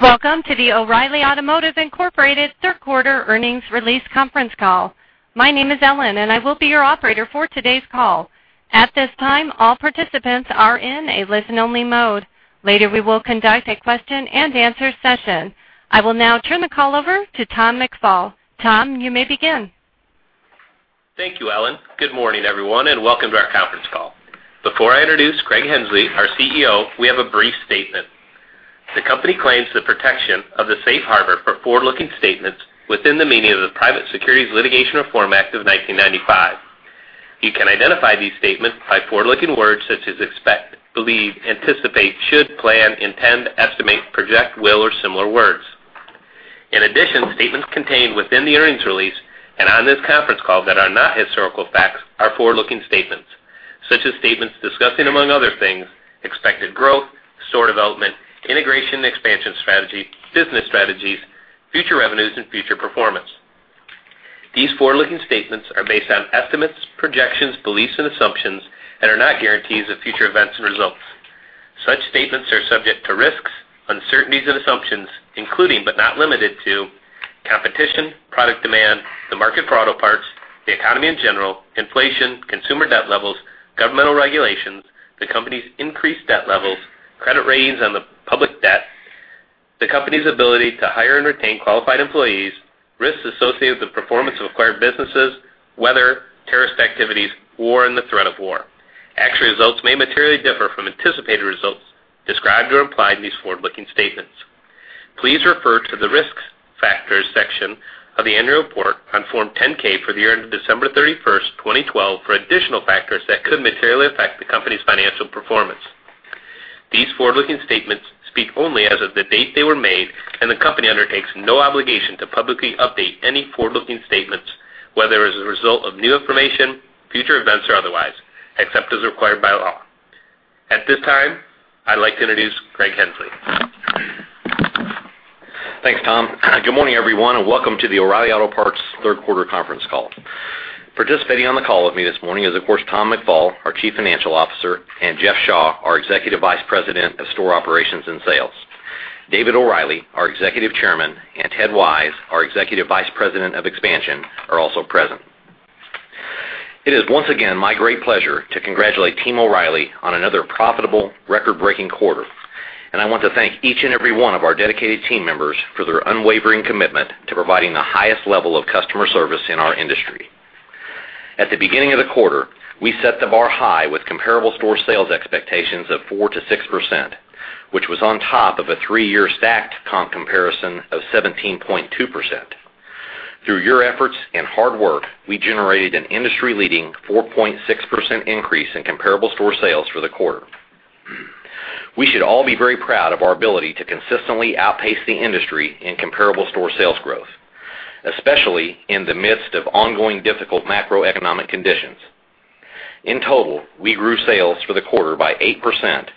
Welcome to the O'Reilly Automotive Incorporated third quarter earnings release conference call. My name is Ellen, and I will be your operator for today's call. At this time, all participants are in a listen-only mode. Later, we will conduct a question and answer session. I will now turn the call over to Tom McFall. Tom, you may begin. Thank you, Ellen. Good morning, everyone, welcome to our conference call. Before I introduce Greg Henslee, our CEO, we have a brief statement. The company claims the protection of the safe harbor for forward-looking statements within the meaning of the Private Securities Litigation Reform Act of 1995. You can identify these statements by forward-looking words such as expect, believe, anticipate, should, plan, intend, estimate, project, will, or similar words. Statements contained within the earnings release and on this conference call that are not historical facts are forward-looking statements, such as statements discussing, among other things, expected growth, store development, integration and expansion strategy, business strategies, future revenues, and future performance. These forward-looking statements are based on estimates, projections, beliefs, and assumptions and are not guarantees of future events and results. Such statements are subject to risks, uncertainties, and assumptions, including, but not limited to competition, product demand, the market for auto parts, the economy in general, inflation, consumer debt levels, governmental regulations, the company's increased debt levels, credit ratings on the public debt, the company's ability to hire and retain qualified employees, risks associated with the performance of acquired businesses, weather, terrorist activities, war, and the threat of war. Actual results may materially differ from anticipated results described or implied in these forward-looking statements. Please refer to the Risk Factors section of the annual report on Form 10-K for the year ended December 31st, 2012, for additional factors that could materially affect the company's financial performance. These forward-looking statements speak only as of the date they were made, the company undertakes no obligation to publicly update any forward-looking statements, whether as a result of new information, future events, or otherwise, except as required by law. At this time, I'd like to introduce Greg Henslee. Thanks, Tom. Good morning, everyone, and welcome to the O’Reilly Auto Parts third quarter conference call. Participating on the call with me this morning is, of course, Tom McFall, our Chief Financial Officer, and Jeff Shaw, our Executive Vice President of Store Operations and Sales. David O’Reilly, our Executive Chairman, and Ted Wise, our Executive Vice President of Expansion, are also present. It is once again my great pleasure to congratulate Team O’Reilly on another profitable, record-breaking quarter. I want to thank each and every one of our dedicated team members for their unwavering commitment to providing the highest level of customer service in our industry. At the beginning of the quarter, we set the bar high with comparable store sales expectations of 4%-6%, which was on top of a three-year stacked comp comparison of 17.2%. Through your efforts and hard work, we generated an industry-leading 4.6% increase in comparable store sales for the quarter. We should all be very proud of our ability to consistently outpace the industry in comparable store sales growth, especially in the midst of ongoing difficult macroeconomic conditions. In total, we grew sales for the quarter by 8%.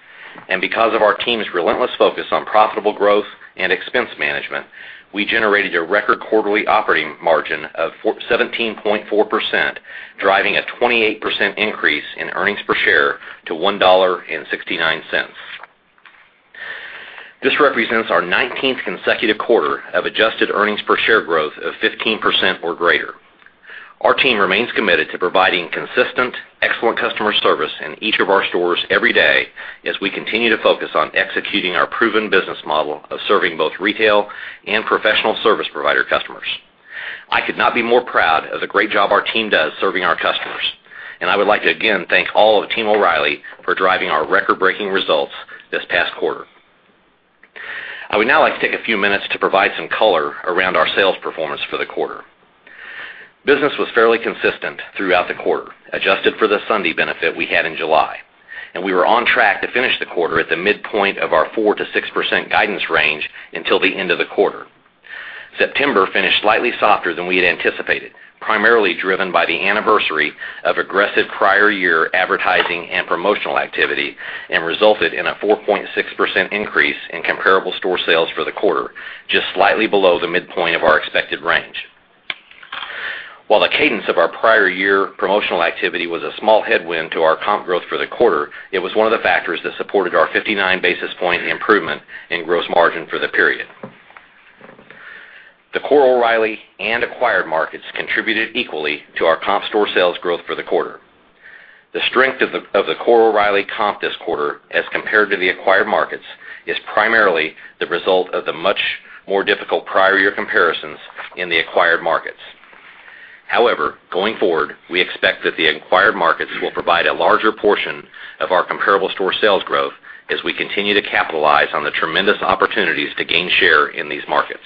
Because of our team's relentless focus on profitable growth and expense management, we generated a record quarterly operating margin of 17.4%, driving a 28% increase in earnings per share to $1.69. This represents our 19th consecutive quarter of adjusted earnings per share growth of 15% or greater. Our team remains committed to providing consistent, excellent customer service in each of our stores every day as we continue to focus on executing our proven business model of serving both retail and professional service provider customers. I could not be more proud of the great job our team does serving our customers. I would like to again thank all of Team O’Reilly for driving our record-breaking results this past quarter. I would now like to take a few minutes to provide some color around our sales performance for the quarter. Business was fairly consistent throughout the quarter, adjusted for the Sunday benefit we had in July. We were on track to finish the quarter at the midpoint of our 4%-6% guidance range until the end of the quarter. September finished slightly softer than we had anticipated, primarily driven by the anniversary of aggressive prior year advertising and promotional activity and resulted in a 4.6% increase in comparable store sales for the quarter, just slightly below the midpoint of our expected range. While the cadence of our prior year promotional activity was a small headwind to our comp growth for the quarter, it was one of the factors that supported our 59 basis point improvement in gross margin for the period. The core O’Reilly and acquired markets contributed equally to our comp store sales growth for the quarter. The strength of the core O’Reilly comp this quarter as compared to the acquired markets is primarily the result of the much more difficult prior year comparisons in the acquired markets. Going forward, we expect that the acquired markets will provide a larger portion of our comparable store sales growth as we continue to capitalize on the tremendous opportunities to gain share in these markets.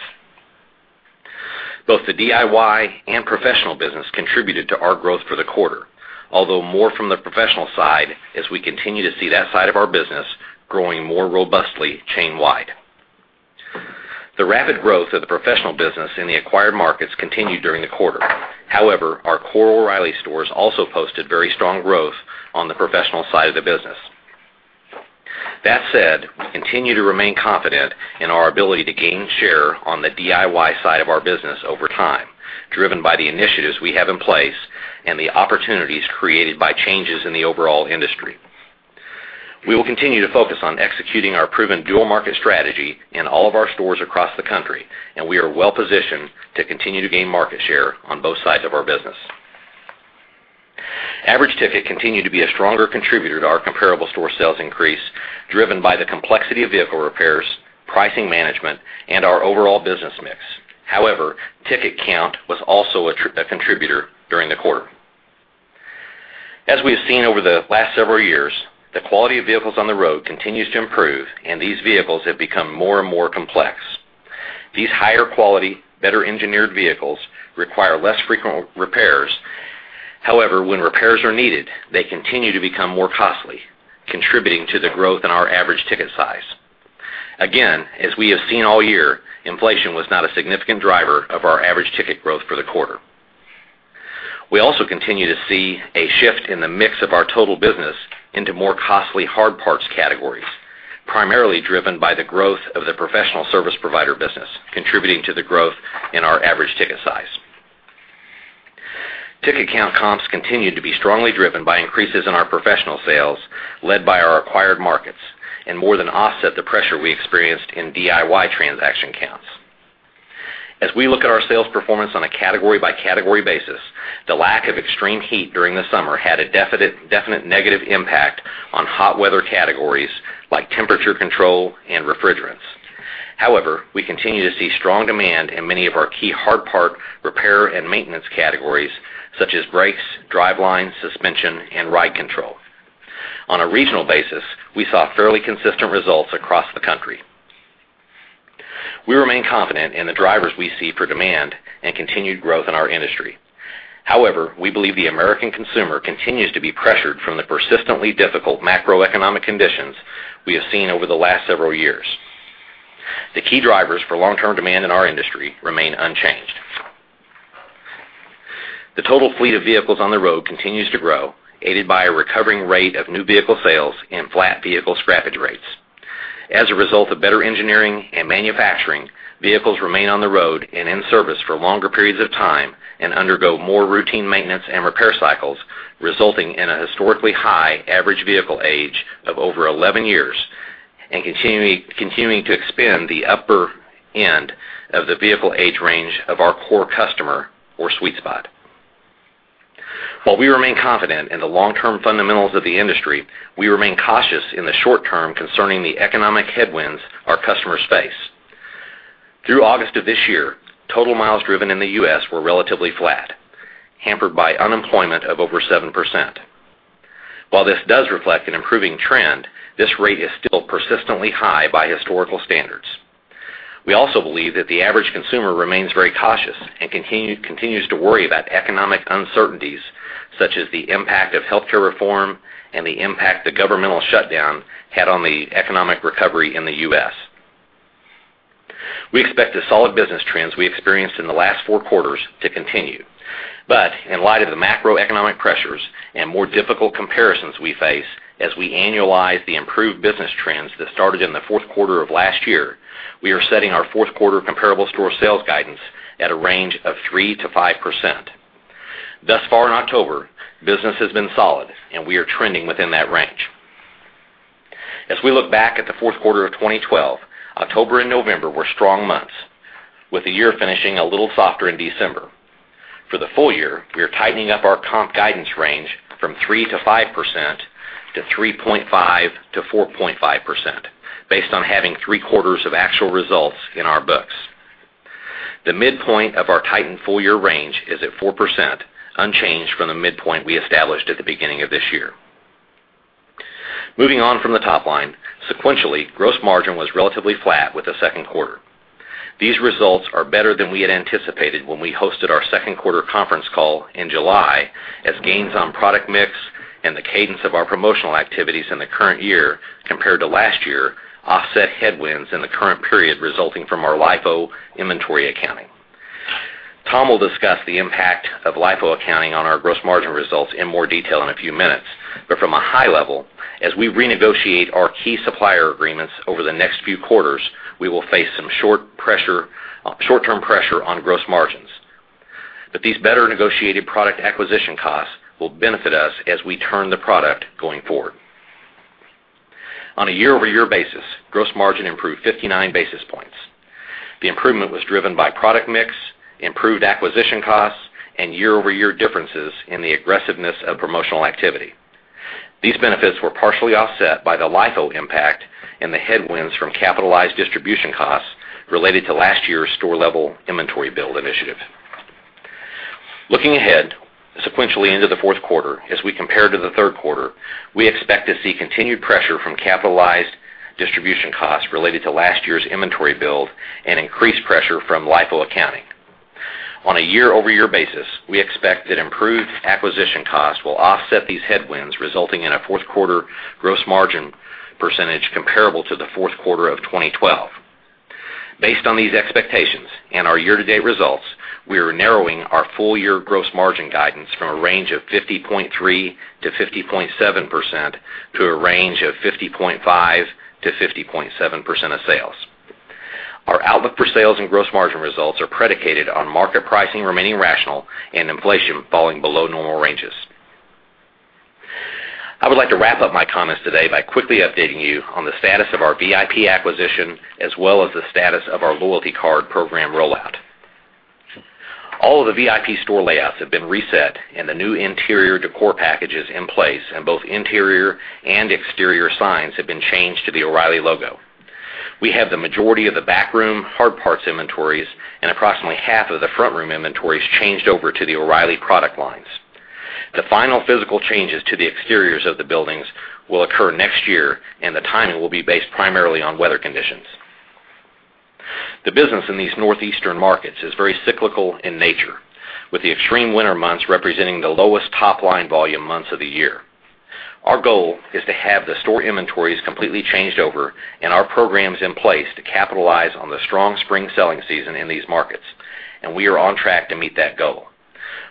Both the DIY and professional business contributed to our growth for the quarter, although more from the professional side as we continue to see that side of our business growing more robustly chain-wide. The rapid growth of the professional business in the acquired markets continued during the quarter. However, our core O’Reilly stores also posted very strong growth on the professional side of the business. That said, we continue to remain confident in our ability to gain share on the DIY side of our business over time, driven by the initiatives we have in place and the opportunities created by changes in the overall industry. We will continue to focus on executing our proven dual market strategy in all of our stores across the country. We are well-positioned to continue to gain market share on both sides of our business. Average ticket continued to be a stronger contributor to our comparable store sales increase, driven by the complexity of vehicle repairs, pricing management, and our overall business mix. However, ticket count was also a contributor during the quarter. As we've seen over the last several years, the quality of vehicles on the road continues to improve, and these vehicles have become more and more complex. These higher quality, better engineered vehicles require less frequent repairs. However, when repairs are needed, they continue to become more costly, contributing to the growth in our average ticket size. Again, as we have seen all year, inflation was not a significant driver of our average ticket growth for the quarter. We also continue to see a shift in the mix of our total business into more costly hard parts categories, primarily driven by the growth of the professional service provider business, contributing to the growth in our average ticket size. Ticket count comps continued to be strongly driven by increases in our professional sales, led by our acquired markets, and more than offset the pressure we experienced in DIY transaction counts. As we look at our sales performance on a category by category basis, the lack of extreme heat during the summer had a definite negative impact on hot weather categories like temperature control and refrigerants. However, we continue to see strong demand in many of our key hard part repair and maintenance categories such as brakes, driveline, suspension, and ride control. On a regional basis, we saw fairly consistent results across the country. We remain confident in the drivers we see for demand and continued growth in our industry. However, we believe the American consumer continues to be pressured from the persistently difficult macroeconomic conditions we have seen over the last several years. The key drivers for long-term demand in our industry remain unchanged. The total fleet of vehicles on the road continues to grow, aided by a recovering rate of new vehicle sales and flat vehicle scrappage rates. As a result of better engineering and manufacturing, vehicles remain on the road and in service for longer periods of time and undergo more routine maintenance and repair cycles, resulting in a historically high average vehicle age of over 11 years and continuing to expand the upper end of the vehicle age range of our core customer or sweet spot. While we remain confident in the long-term fundamentals of the industry, we remain cautious in the short term concerning the economic headwinds our customers face. Through August of this year, total miles driven in the U.S. were relatively flat, hampered by unemployment of over 7%. While this does reflect an improving trend, this rate is still persistently high by historical standards. We also believe that the average consumer remains very cautious and continues to worry about economic uncertainties such as the impact of healthcare reform and the impact the governmental shutdown had on the economic recovery in the U.S. We expect the solid business trends we experienced in the last four quarters to continue. In light of the macroeconomic pressures and more difficult comparisons we face as we annualize the improved business trends that started in the fourth quarter of last year, we are setting our fourth quarter comparable store sales guidance at a range of 3%-5%. Thus far in October, business has been solid, and we are trending within that range. As we look back at the fourth quarter of 2012, October and November were strong months, with the year finishing a little softer in December. For the full year, we are tightening up our comp guidance range from 3%-5% to 3.5%-4.5%, based on having three quarters of actual results in our books. The midpoint of our tightened full-year range is at 4%, unchanged from the midpoint we established at the beginning of this year. Moving on from the top line, sequentially, gross margin was relatively flat with the second quarter. These results are better than we had anticipated when we hosted our second quarter conference call in July, as gains on product mix and the cadence of our promotional activities in the current year compared to last year offset headwinds in the current period resulting from our LIFO inventory accounting. Tom will discuss the impact of LIFO accounting on our gross margin results in more detail in a few minutes. From a high level, as we renegotiate our key supplier agreements over the next few quarters, we will face some short-term pressure on gross margins. These better negotiated product acquisition costs will benefit us as we turn the product going forward. On a year-over-year basis, gross margin improved 59 basis points. The improvement was driven by product mix, improved acquisition costs, and year-over-year differences in the aggressiveness of promotional activity. These benefits were partially offset by the LIFO impact and the headwinds from capitalized distribution costs related to last year's store-level inventory build initiative. Looking ahead sequentially into the fourth quarter as we compare to the third quarter, we expect to see continued pressure from capitalized distribution costs related to last year's inventory build and increased pressure from LIFO accounting. On a year-over-year basis, we expect that improved acquisition costs will offset these headwinds, resulting in a fourth quarter gross margin percentage comparable to the fourth quarter of 2012. Based on these expectations and our year-to-date results, we are narrowing our full-year gross margin guidance from a range of 50.3%-50.7% to a range of 50.5%-50.7% of sales. Our outlook for sales and gross margin results are predicated on market pricing remaining rational and inflation falling below normal ranges. I would like to wrap up my comments today by quickly updating you on the status of our VIP acquisition, as well as the status of our loyalty card program rollout. All of the VIP store layouts have been reset and the new interior decor packages in place, and both interior and exterior signs have been changed to the O’Reilly logo. We have the majority of the backroom hard parts inventories and approximately half of the front room inventories changed over to the O’Reilly product lines. The final physical changes to the exteriors of the buildings will occur next year, and the timing will be based primarily on weather conditions. The business in these northeastern markets is very cyclical in nature, with the extreme winter months representing the lowest top-line volume months of the year. Our goal is to have the store inventories completely changed over and our programs in place to capitalize on the strong spring selling season in these markets. We are on track to meet that goal.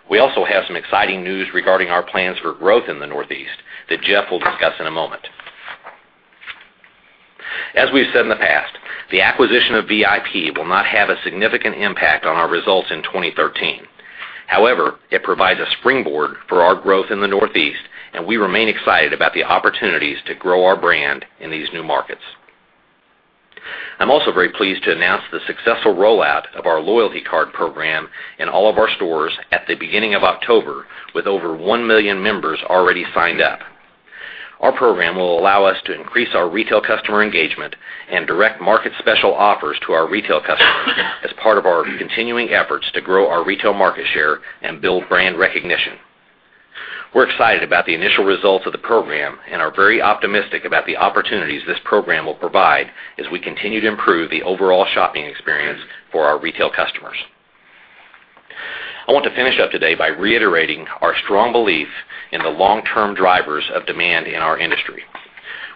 We also have some exciting news regarding our plans for growth in the Northeast that Jeff will discuss in a moment. We've said in the past, the acquisition of VIP will not have a significant impact on our results in 2013. It provides a springboard for our growth in the Northeast, and we remain excited about the opportunities to grow our brand in these new markets. I'm also very pleased to announce the successful rollout of our loyalty card program in all of our stores at the beginning of October, with over 1 million members already signed up. Our program will allow us to increase our retail customer engagement and direct market special offers to our retail customers as part of our continuing efforts to grow our retail market share and build brand recognition. We're excited about the initial results of the program and are very optimistic about the opportunities this program will provide as we continue to improve the overall shopping experience for our retail customers. I want to finish up today by reiterating our strong belief in the long-term drivers of demand in our industry.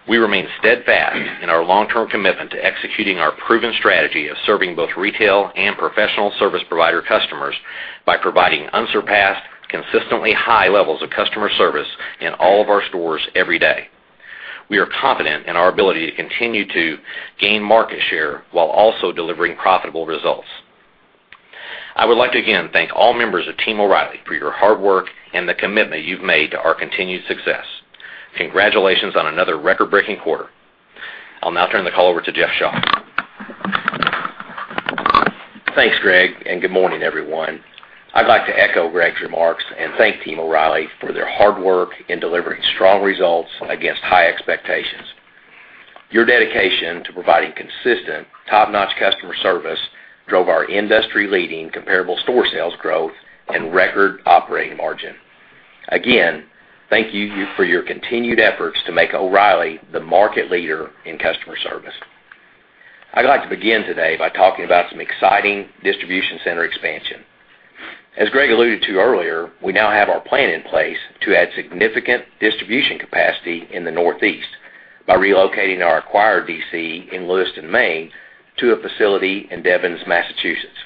We remain steadfast in our long-term commitment to executing our proven strategy of serving both retail and professional service provider customers by providing unsurpassed, consistently high levels of customer service in all of our stores every day. We are confident in our ability to continue to gain market share while also delivering profitable results. I would like to again thank all members of Team O’Reilly for your hard work and the commitment you’ve made to our continued success. Congratulations on another record-breaking quarter. I’ll now turn the call over to Jeff Shaw. Thanks, Greg, and good morning, everyone. I’d like to echo Greg’s remarks and thank Team O’Reilly for their hard work in delivering strong results against high expectations. Your dedication to providing consistent, top-notch customer service drove our industry-leading comparable store sales growth and record operating margin. Again, thank you for your continued efforts to make O’Reilly the market leader in customer service. I’d like to begin today by talking about some exciting distribution center expansion. As Greg alluded to earlier, we now have our plan in place to add significant distribution capacity in the Northeast by relocating our acquired DC in Lewiston, Maine, to a facility in Devens, Massachusetts.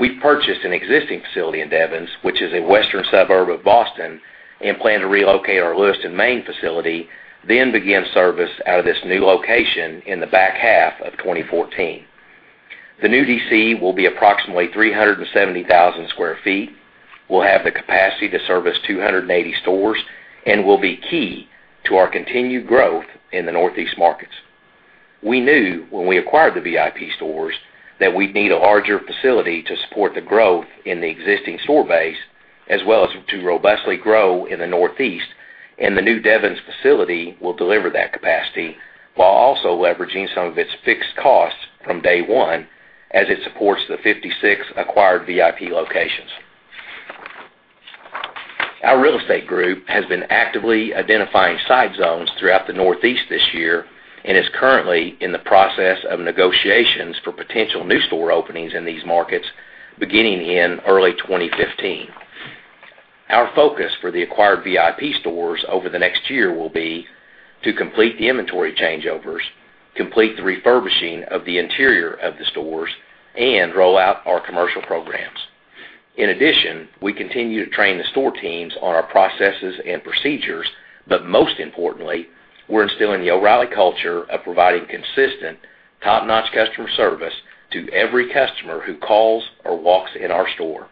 We’ve purchased an existing facility in Devens, which is a western suburb of Boston, and plan to relocate our Lewiston, Maine, facility, then begin service out of this new location in the back half of 2014. The new DC will be approximately 370,000 sq ft, will have the capacity to service 280 stores, and will be key to our continued growth in the Northeast markets. We knew when we acquired the VIP stores that we’d need a larger facility to support the growth in the existing store base, as well as to robustly grow in the Northeast, and the new Devens facility will deliver that capacity while also leveraging some of its fixed costs from day one as it supports the 56 acquired VIP locations. Our real estate group has been actively identifying site zones throughout the Northeast this year and is currently in the process of negotiations for potential new store openings in these markets beginning in early 2015. Our focus for the acquired VIP stores over the next year will be to complete the inventory changeovers, complete the refurbishing of the interior of the stores, and roll out our commercial programs. In addition, we continue to train the store teams on our processes and procedures, but most importantly, we’re instilling the O’Reilly culture of providing consistent, top-notch customer service to every customer who calls or walks in our store.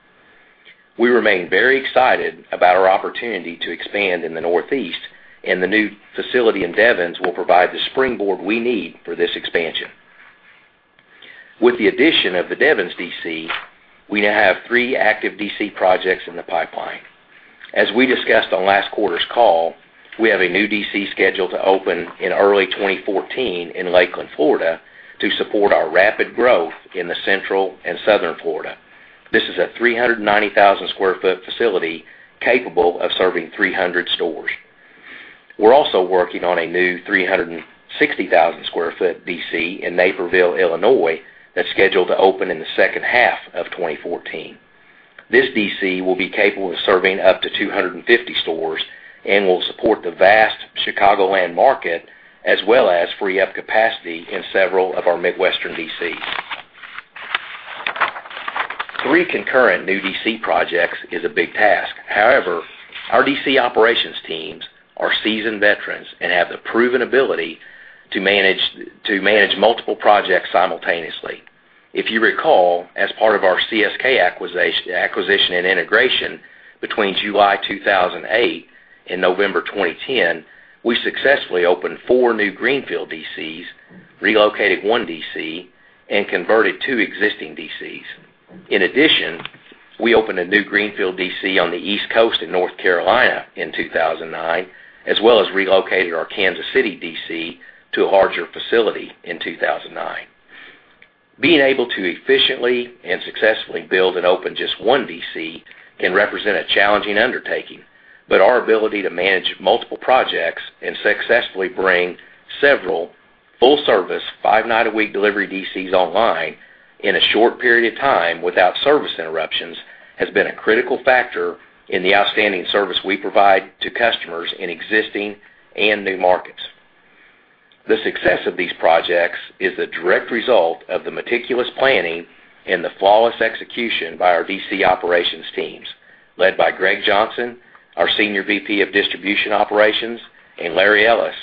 We remain very excited about our opportunity to expand in the Northeast, and the new facility in Devens will provide the springboard we need for this expansion. With the addition of the Devens DC, we now have three active DC projects in the pipeline. As we discussed on last quarter’s call, we have a new DC scheduled to open in early 2014 in Lakeland, Florida, to support our rapid growth in Central and Southern Florida. This is a 390,000 sq ft facility capable of serving 300 stores. We’re also working on a new 360,000 sq ft DC in Naperville, Illinois, that’s scheduled to open in the second half of 2014. This DC will be capable of serving up to 250 stores and will support the vast Chicagoland market, as well as free up capacity in several of our Midwestern DCs. Three concurrent new DC projects is a big task. However, our DC operations teams are seasoned veterans and have the proven ability to manage multiple projects simultaneously. If you recall, as part of our CSK acquisition and integration between July 2008 and November 2010, we successfully opened four new greenfield DCs, relocated one DC, and converted two existing DCs. In addition, we opened a new greenfield DC on the East Coast in North Carolina in 2009, as well as relocated our Kansas City DC to a larger facility in 2009. Being able to efficiently and successfully build and open just one DC can represent a challenging undertaking, but our ability to manage multiple projects and successfully bring several full-service, five-night-a-week delivery DCs online in a short period of time without service interruptions has been a critical factor in the outstanding service we provide to customers in existing and new markets. The success of these projects is a direct result of the meticulous planning and the flawless execution by our DC operations teams, led by Greg Johnson, our Senior VP of Distribution Operations, and Larry Ellis,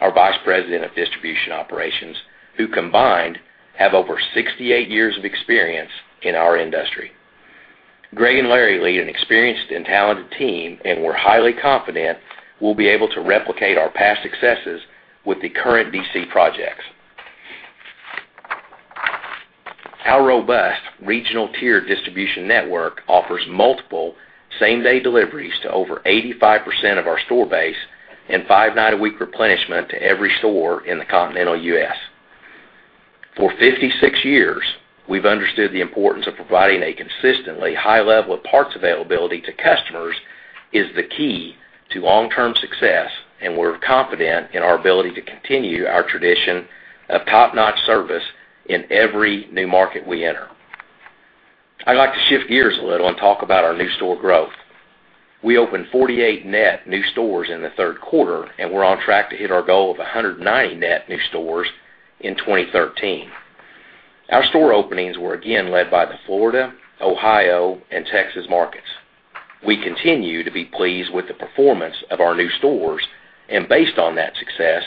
our Vice President of Distribution Operations, who combined have over 68 years of experience in our industry. Greg and Larry lead an experienced and talented team. We're highly confident we'll be able to replicate our past successes with the current DC projects. Our robust regional tier distribution network offers multiple same-day deliveries to over 85% of our store base and five-night-a-week replenishment to every store in the continental U.S. For 56 years, we've understood the importance of providing a consistently high level of parts availability to customers is the key to long-term success. We're confident in our ability to continue our tradition of top-notch service in every new market we enter. I'd like to shift gears a little and talk about our new store growth. We opened 48 net new stores in the third quarter. We're on track to hit our goal of 190 net new stores in 2013. Our store openings were again led by the Florida, Ohio, and Texas markets. We continue to be pleased with the performance of our new stores. Based on that success,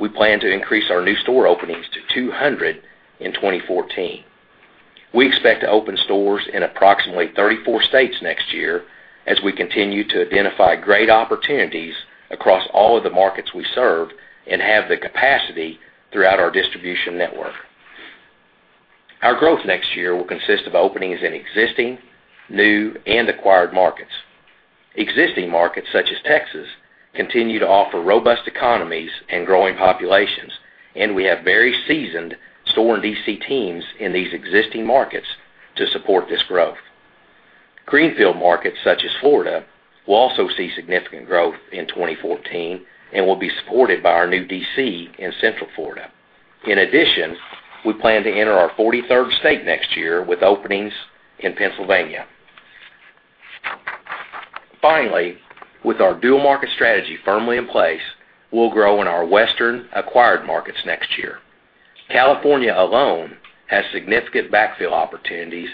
we plan to increase our new store openings to 200 in 2014. We expect to open stores in approximately 34 states next year as we continue to identify great opportunities across all of the markets we serve and have the capacity throughout our distribution network. Our growth next year will consist of openings in existing, new, and acquired markets. Existing markets such as Texas continue to offer robust economies and growing populations. We have very seasoned store and DC teams in these existing markets to support this growth. Greenfield markets such as Florida will also see significant growth in 2014 and will be supported by our new DC in Central Florida. In addition, we plan to enter our 43rd state next year with openings in Pennsylvania. Finally, with our dual market strategy firmly in place, we'll grow in our Western acquired markets next year. California alone has significant backfill opportunities.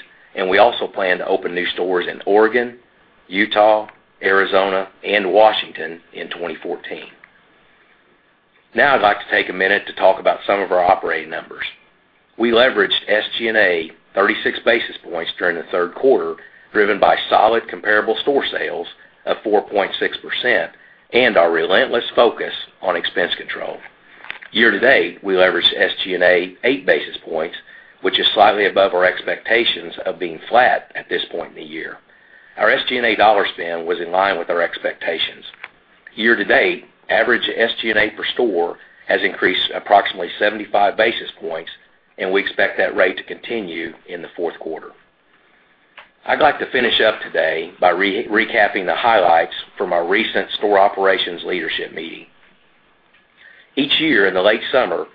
We also plan to open new stores in Oregon, Utah, Arizona, and Washington in 2014. Now I'd like to take a minute to talk about some of our operating numbers. We leveraged SG&A 36 basis points during the third quarter, driven by solid comparable store sales of 4.6%. Our relentless focus on expense control. Year-to-date, we leveraged SG&A eight basis points, which is slightly above our expectations of being flat at this point in the year. Our SG&A dollar spend was in line with our expectations. Year-to-date, average SG&A per store has increased approximately 75 basis points. We expect that rate to continue in the fourth quarter. I'd like to finish up today by recapping the highlights from our recent store operations leadership meeting. Each year in the late summer,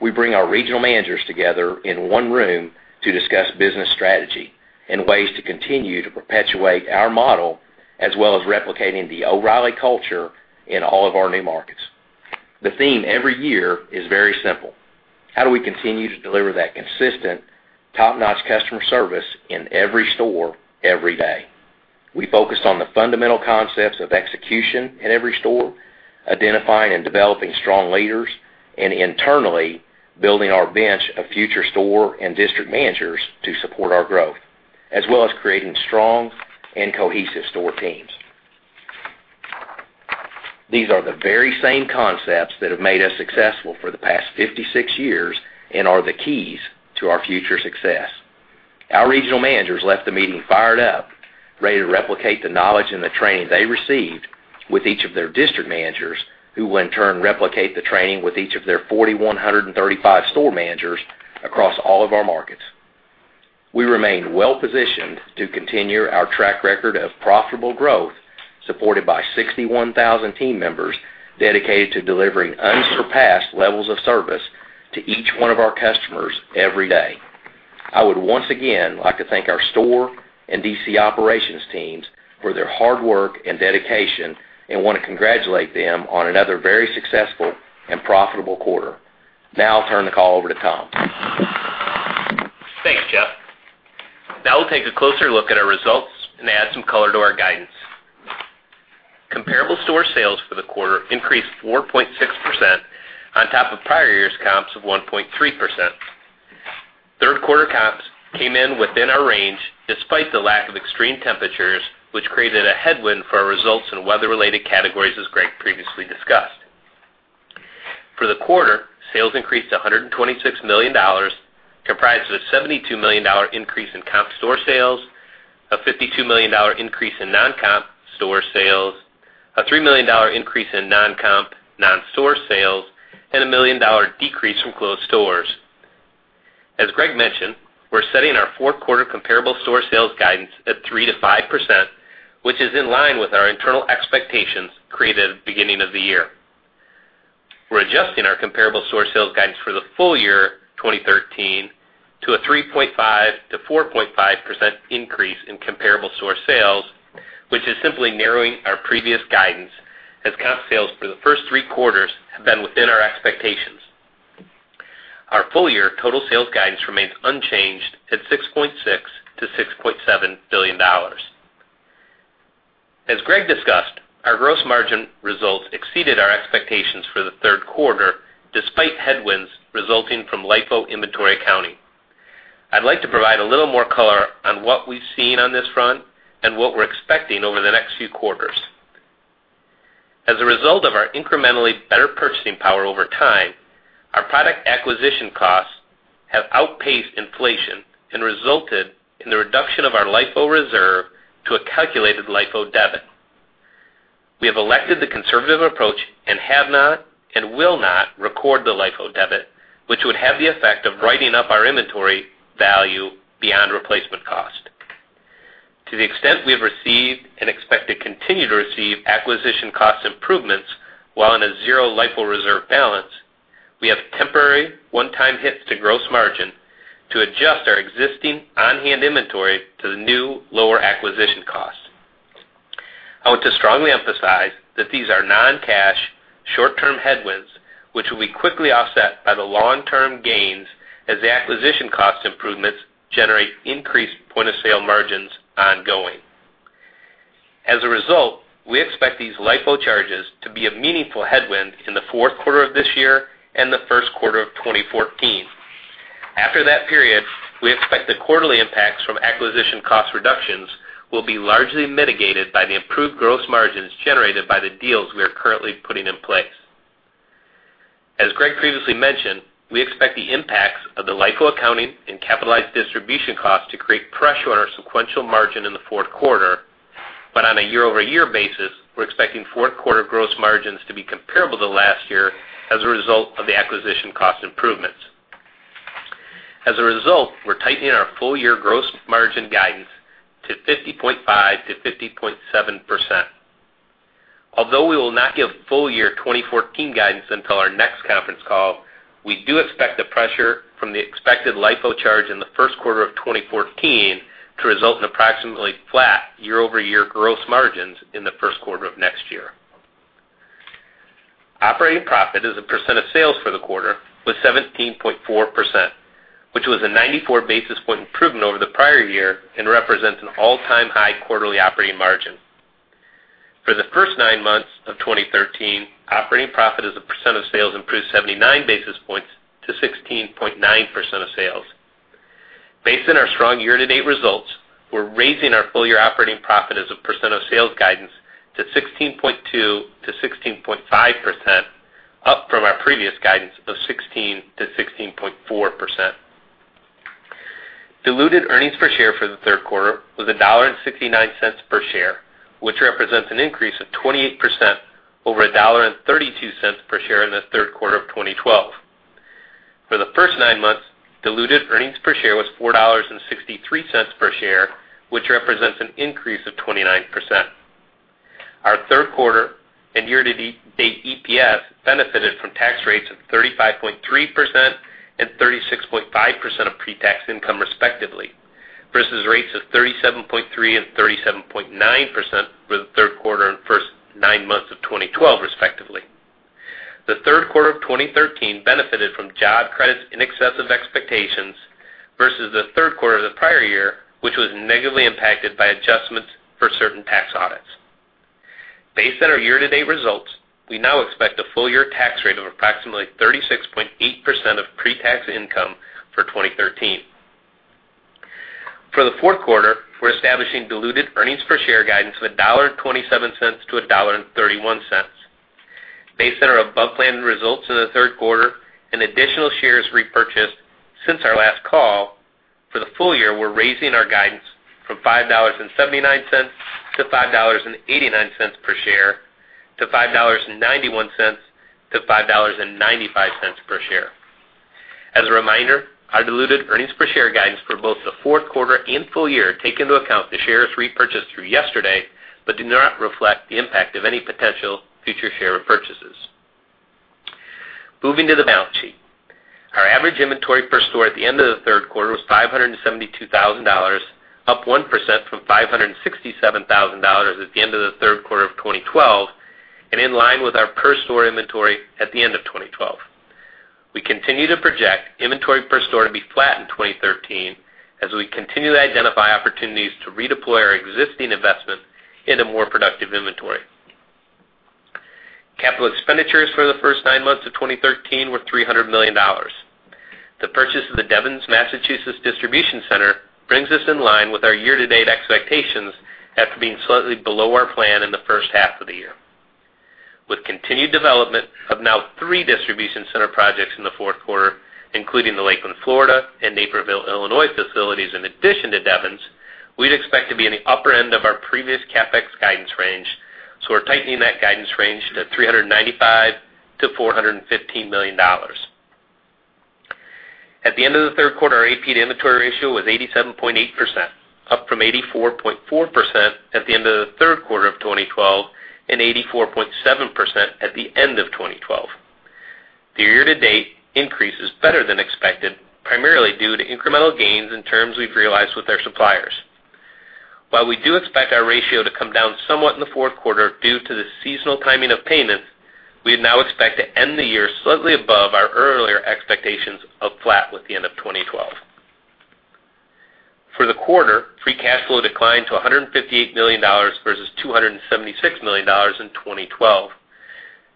we bring our regional managers together in one room to discuss business strategy and ways to continue to perpetuate our model as well as replicating the O’Reilly culture in all of our new markets. The theme every year is very simple: How do we continue to deliver that consistent top-notch customer service in every store, every day? We focused on the fundamental concepts of execution in every store, identifying and developing strong leaders, and internally building our bench of future store and district managers to support our growth, as well as creating strong and cohesive store teams. These are the very same concepts that have made us successful for the past 56 years and are the keys to our future success. Our regional managers left the meeting fired up, ready to replicate the knowledge and the training they received with each of their district managers, who will in turn replicate the training with each of their 4,135 store managers across all of our markets. We remain well-positioned to continue our track record of profitable growth, supported by 61,000 team members dedicated to delivering unsurpassed levels of service to each one of our customers every day. I would once again like to thank our store and DC operations teams for their hard work and dedication and want to congratulate them on another very successful and profitable quarter. Now I'll turn the call over to Tom. Thanks, Jeff. We'll take a closer look at our results and add some color to our guidance. Comparable store sales for the quarter increased 4.6% on top of prior year's comps of 1.3%. Third quarter comps came in within our range, despite the lack of extreme temperatures, which created a headwind for our results in weather-related categories, as Greg previously discussed. For the quarter, sales increased to $126 million, comprised of a $72 million increase in comp store sales, a $52 million increase in non-comp store sales, a $3 million increase in non-comp non-store sales, and a $1 million decrease from closed stores. As Greg mentioned, we're setting our fourth quarter comparable store sales guidance at 3%-5%, which is in line with our internal expectations created at the beginning of the year. We're adjusting our comparable store sales guidance for the full year 2013 to a 3.5%-4.5% increase in comparable store sales, which is simply narrowing our previous guidance as comp sales for the first three quarters have been within our expectations. Our full-year total sales guidance remains unchanged at $6.6 billion-$6.7 billion. As Greg discussed, our gross margin results exceeded our expectations for the third quarter, despite headwinds resulting from LIFO inventory accounting. I'd like to provide a little more color on what we've seen on this front and what we're expecting over the next few quarters. As a result of our incrementally better purchasing power over time, our product acquisition costs have outpaced inflation and resulted in the reduction of our LIFO reserve to a calculated LIFO debit. We have elected the conservative approach and have not, and will not, record the LIFO debit, which would have the effect of writing up our inventory value beyond replacement cost. To the extent we have received and expect to continue to receive acquisition cost improvements while in a zero LIFO reserve balance, we have temporary one-time hits to gross margin to adjust our existing on-hand inventory to the new lower acquisition costs. I want to strongly emphasize that these are non-cash, short-term headwinds, which will be quickly offset by the long-term gains as the acquisition cost improvements generate increased point-of-sale margins ongoing. As a result, we expect these LIFO charges to be a meaningful headwind in the fourth quarter of this year and the first quarter of 2014. After that period, we expect the quarterly impacts from acquisition cost reductions will be largely mitigated by the improved gross margins generated by the deals we are currently putting in place. As Greg previously mentioned, we expect the impacts of the LIFO accounting and capitalized distribution costs to create pressure on our sequential margin in the fourth quarter. On a year-over-year basis, we're expecting fourth quarter gross margins to be comparable to last year as a result of the acquisition cost improvements. As a result, we're tightening our full-year gross margin guidance to 50.5%-50.7%. Although we will not give full-year 2014 guidance until our next conference call, we do expect the pressure from the expected LIFO charge in the first quarter of 2014 to result in approximately flat year-over-year gross margins in the first quarter of next year. Operating profit as a percent of sales for the quarter was 17.4%, which was a 94 basis point improvement over the prior year and represents an all-time high quarterly operating margin. For the first nine months of 2013, operating profit as a percent of sales improved 79 basis points to 16.9% of sales. Based on our strong year-to-date results, we're raising our full-year operating profit as a percent of sales guidance to 16.2%-16.5%, up from our previous guidance of 16%-16.4%. Diluted earnings per share for the third quarter was $1.69 per share, which represents an increase of 28% over $1.32 per share in the third quarter of 2012. For the first nine months, diluted earnings per share was $4.63 per share, which represents an increase of 29%. Our third quarter and year-to-date EPS benefited from tax rates of 35.3% and 36.5% of pre-tax income respectively, versus rates of 37.3% and 37.9% for the third quarter and first nine months of 2012, respectively. The third quarter of 2013 benefited from job credits in excess of expectations versus the third quarter of the prior year, which was negatively impacted by adjustments for certain tax audits. Based on our year-to-date results, we now expect a full-year tax rate of approximately 36.8% of pre-tax income for 2013. For the fourth quarter, we're establishing diluted earnings per share guidance of $1.27-$1.31. Based on our above-plan results in the third quarter and additional shares repurchased since our last call, for the full year we're raising our guidance from $5.79-$5.89 per share to $5.91-$5.95 per share. As a reminder, our diluted earnings per share guidance for both the fourth quarter and full year take into account the shares repurchased through yesterday but do not reflect the impact of any potential future share repurchases. Moving to the balance sheet. Our average inventory per store at the end of the third quarter was $572,000, up 1% from $567,000 at the end of the third quarter of 2012, and in line with our per store inventory at the end of 2012. We continue to project inventory per store to be flat in 2013 as we continue to identify opportunities to redeploy our existing investment into more productive inventory. Capital expenditures for the first nine months of 2013 were $300 million. The purchase of the Devens, Massachusetts distribution center brings us in line with our year-to-date expectations after being slightly below our plan in the first half of the year. With continued development of now three distribution center projects in the fourth quarter, including the Lakeland, Florida and Naperville, Illinois facilities in addition to Devens, we'd expect to be in the upper end of our previous CapEx guidance range. We're tightening that guidance range to $395 million-$415 million. At the end of the third quarter, our AP to inventory ratio was 87.8%, up from 84.4% at the end of the third quarter of 2012, and 84.7% at the end of 2012. The year-to-date increase is better than expected, primarily due to incremental gains and terms we've realized with our suppliers. While we do expect our ratio to come down somewhat in the fourth quarter due to the seasonal timing of payments, we now expect to end the year slightly above our earlier expectations of flat with the end of 2012. For the quarter, free cash flow declined to $158 million versus $276 million in 2012.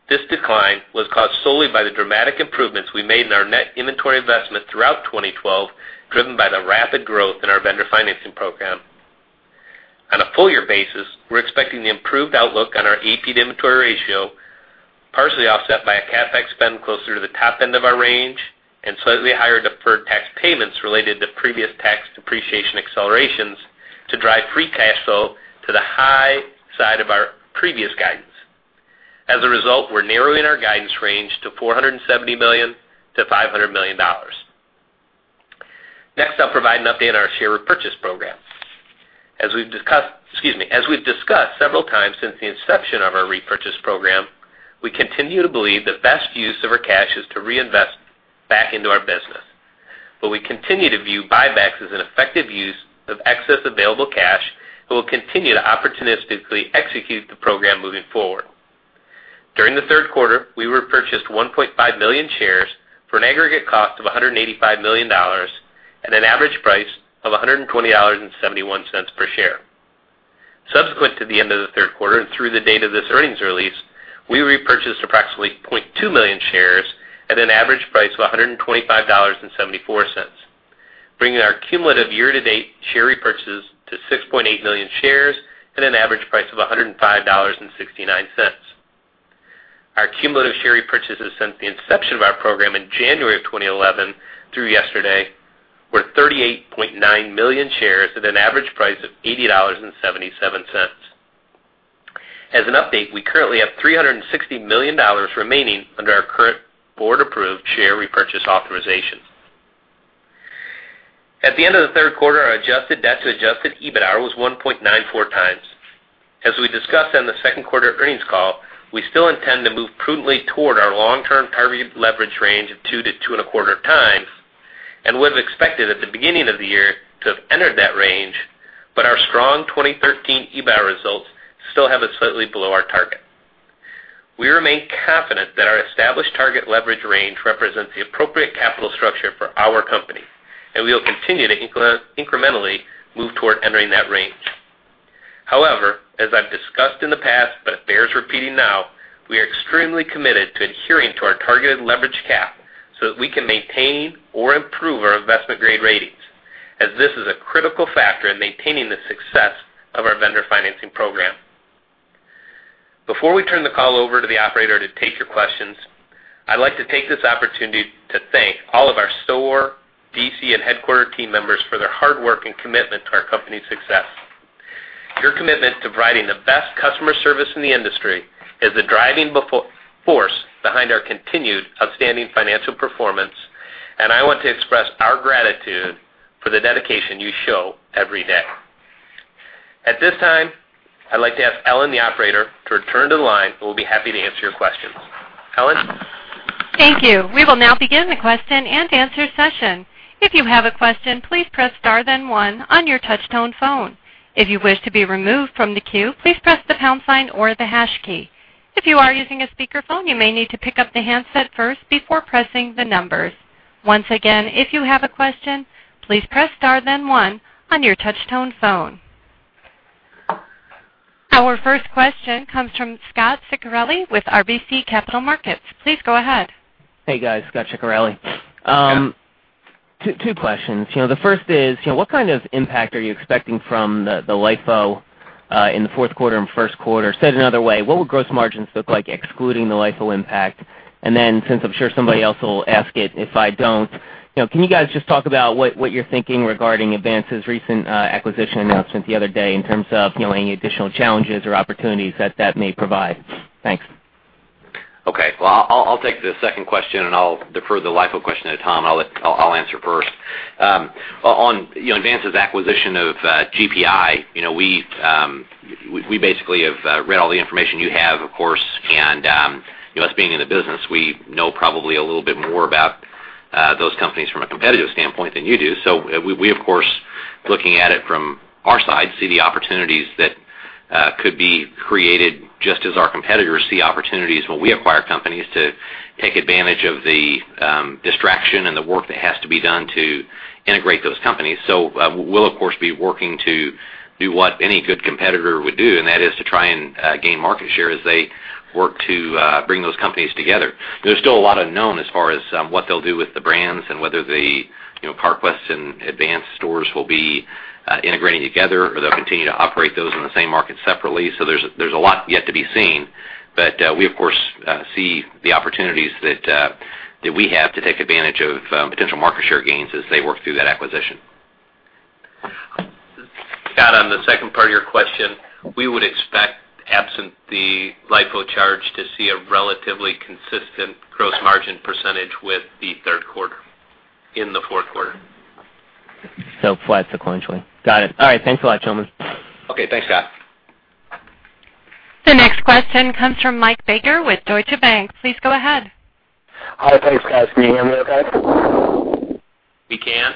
This decline was caused solely by the dramatic improvements we made in our net inventory investment throughout 2012, driven by the rapid growth in our vendor financing program. On a full year basis, we're expecting the improved outlook on our AP to inventory ratio, partially offset by a CapEx spend closer to the top end of our range and slightly higher deferred tax payments related to previous tax depreciation accelerations to drive free cash flow to the high side of our previous guidance. As a result, we're narrowing our guidance range to $470 million-$500 million. Next, I'll provide an update on our share repurchase program. As we've discussed several times since the inception of our repurchase program, we continue to believe the best use of our cash is to reinvest back into our business. We continue to view buybacks as an effective use of excess available cash and will continue to opportunistically execute the program moving forward. During the third quarter, we repurchased 1.5 million shares for an aggregate cost of $185 million, at an average price of $120.71 per share. Subsequent to the end of the third quarter and through the date of this earnings release, we repurchased approximately 0.2 million shares at an average price of $125.74, bringing our cumulative year-to-date share repurchases to 6.8 million shares at an average price of $105.69. Our cumulative share purchases since the inception of our program in January of 2011 through yesterday were 38.9 million shares at an average price of $80.77. As an update, we currently have $360 million remaining under our current board-approved share repurchase authorization. At the end of the third quarter, our adjusted debt to adjusted EBITDAR was 1.94 times. As we discussed on the second quarter earnings call, we still intend to move prudently toward our long-term targeted leverage range of two to two and a quarter times, and would have expected at the beginning of the year to have entered that range, but our strong 2013 EBITDAR results still have us slightly below our target. We remain confident that our established target leverage range represents the appropriate capital structure for our company, and we will continue to incrementally move toward entering that range. However, as I've discussed in the past, but it bears repeating now, we are extremely committed to adhering to our targeted leverage cap so that we can maintain or improve our investment-grade ratings, as this is a critical factor in maintaining the success of our vendor financing program. Before we turn the call over to the operator to take your questions, I'd like to take this opportunity to thank all of our store, DC, and headquarter team members for their hard work and commitment to our company's success. Your commitment to providing the best customer service in the industry is the driving force behind our continued outstanding financial performance, and I want to express our gratitude for the dedication you show every day. At this time, I'd like to ask Ellen, the operator, to return to the line, and we'll be happy to answer your questions. Ellen? Thank you. We will now begin the question and answer session. If you have a question, please press star then one on your touch tone phone. If you wish to be removed from the queue, please press the pound sign or the hash key. If you are using a speakerphone, you may need to pick up the handset first before pressing the numbers. Once again, if you have a question, please press star then one on your touch-tone phone. Our first question comes from Scot Ciccarelli with RBC Capital Markets. Please go ahead. Yeah. Two questions. The first is, what kind of impact are you expecting from the LIFO in the fourth quarter and first quarter? Said another way, what will gross margins look like excluding the LIFO impact? Since I'm sure somebody else will ask it if I don't, can you guys just talk about what you're thinking regarding Advance's recent acquisition announcement the other day in terms of any additional challenges or opportunities that that may provide? Thanks. Okay. Well, I'll take the second question, and I'll defer the LIFO question to Tom. I'll answer first. On Advance's acquisition of GPI, we basically have read all the information you have, of course, and us being in the business, we know probably a little bit more about those companies from a competitive standpoint than you do. We, of course, looking at it from our side, see the opportunities that could be created just as our competitors see opportunities when we acquire companies to take advantage of the distraction and the work that has to be done to integrate those companies. We'll, of course, be working to do what any good competitor would do, and that is to try and gain market share as they work to bring those companies together. There's still a lot unknown as far as what they'll do with the brands and whether the Carquest and Advance stores will be integrating together or they'll continue to operate those in the same market separately. There's a lot yet to be seen, but we, of course, see the opportunities that we have to take advantage of potential market share gains as they work through that acquisition. Scot, on the second part of your question, we would expect, absent the LIFO charge, to see a relatively consistent gross margin % with the third quarter in the fourth quarter. Flat sequentially. Got it. All right. Thanks a lot, gentlemen. Okay. Thanks, Scot. The next question comes from Michael Baker with Deutsche Bank. Please go ahead. Hi. Thanks, guys. Can you hear me okay? We can.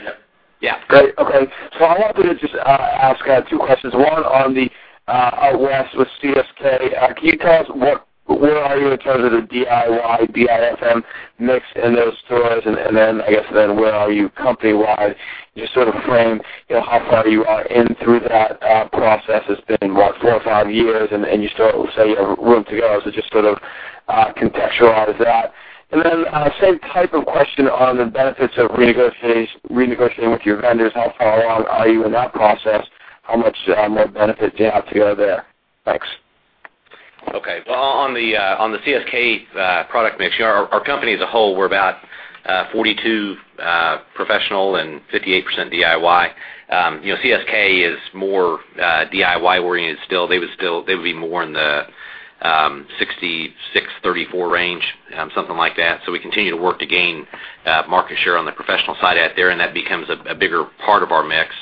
Yep. Great. Okay. I wanted to just ask two questions. One on the out West with CSK. Can you tell us where are you in terms of the DIY, DIFM mix in those stores? I guess, then where are you company-wide? Just sort of frame how far you are in through that process. It's been what, four or five years, and you still say you have room to go, just sort of contextualize that. Then same type of question on the benefits of renegotiating with your vendors. How far along are you in that process? How much more benefit do you have to go there? Thanks. Okay. On the CSK product mix, our company as a whole, we're about 42 professional and 58% DIY. CSK is more DIY-oriented still. They would be more in the 66, 34 range, something like that. We continue to work to gain market share on the professional side out there, and that becomes a bigger part of our mix.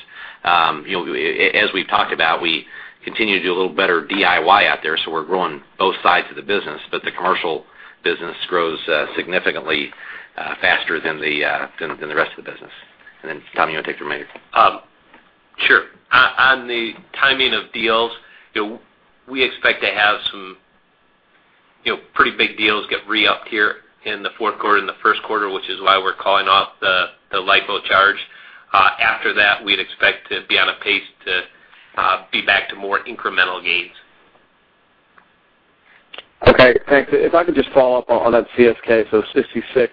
As we've talked about, we continue to do a little better DIY out there, we're growing both sides of the business, but the commercial business grows significantly faster than the rest of the business. Tom, you want to take the remainder? Sure. On the timing of deals, we expect to have some pretty big deals get re-upped here in the fourth quarter and the first quarter, which is why we're calling off the LIFO charge. After that, we'd expect to be on a pace to be back to more incremental gains. Okay, thanks. If I could just follow up on that CSK, 66,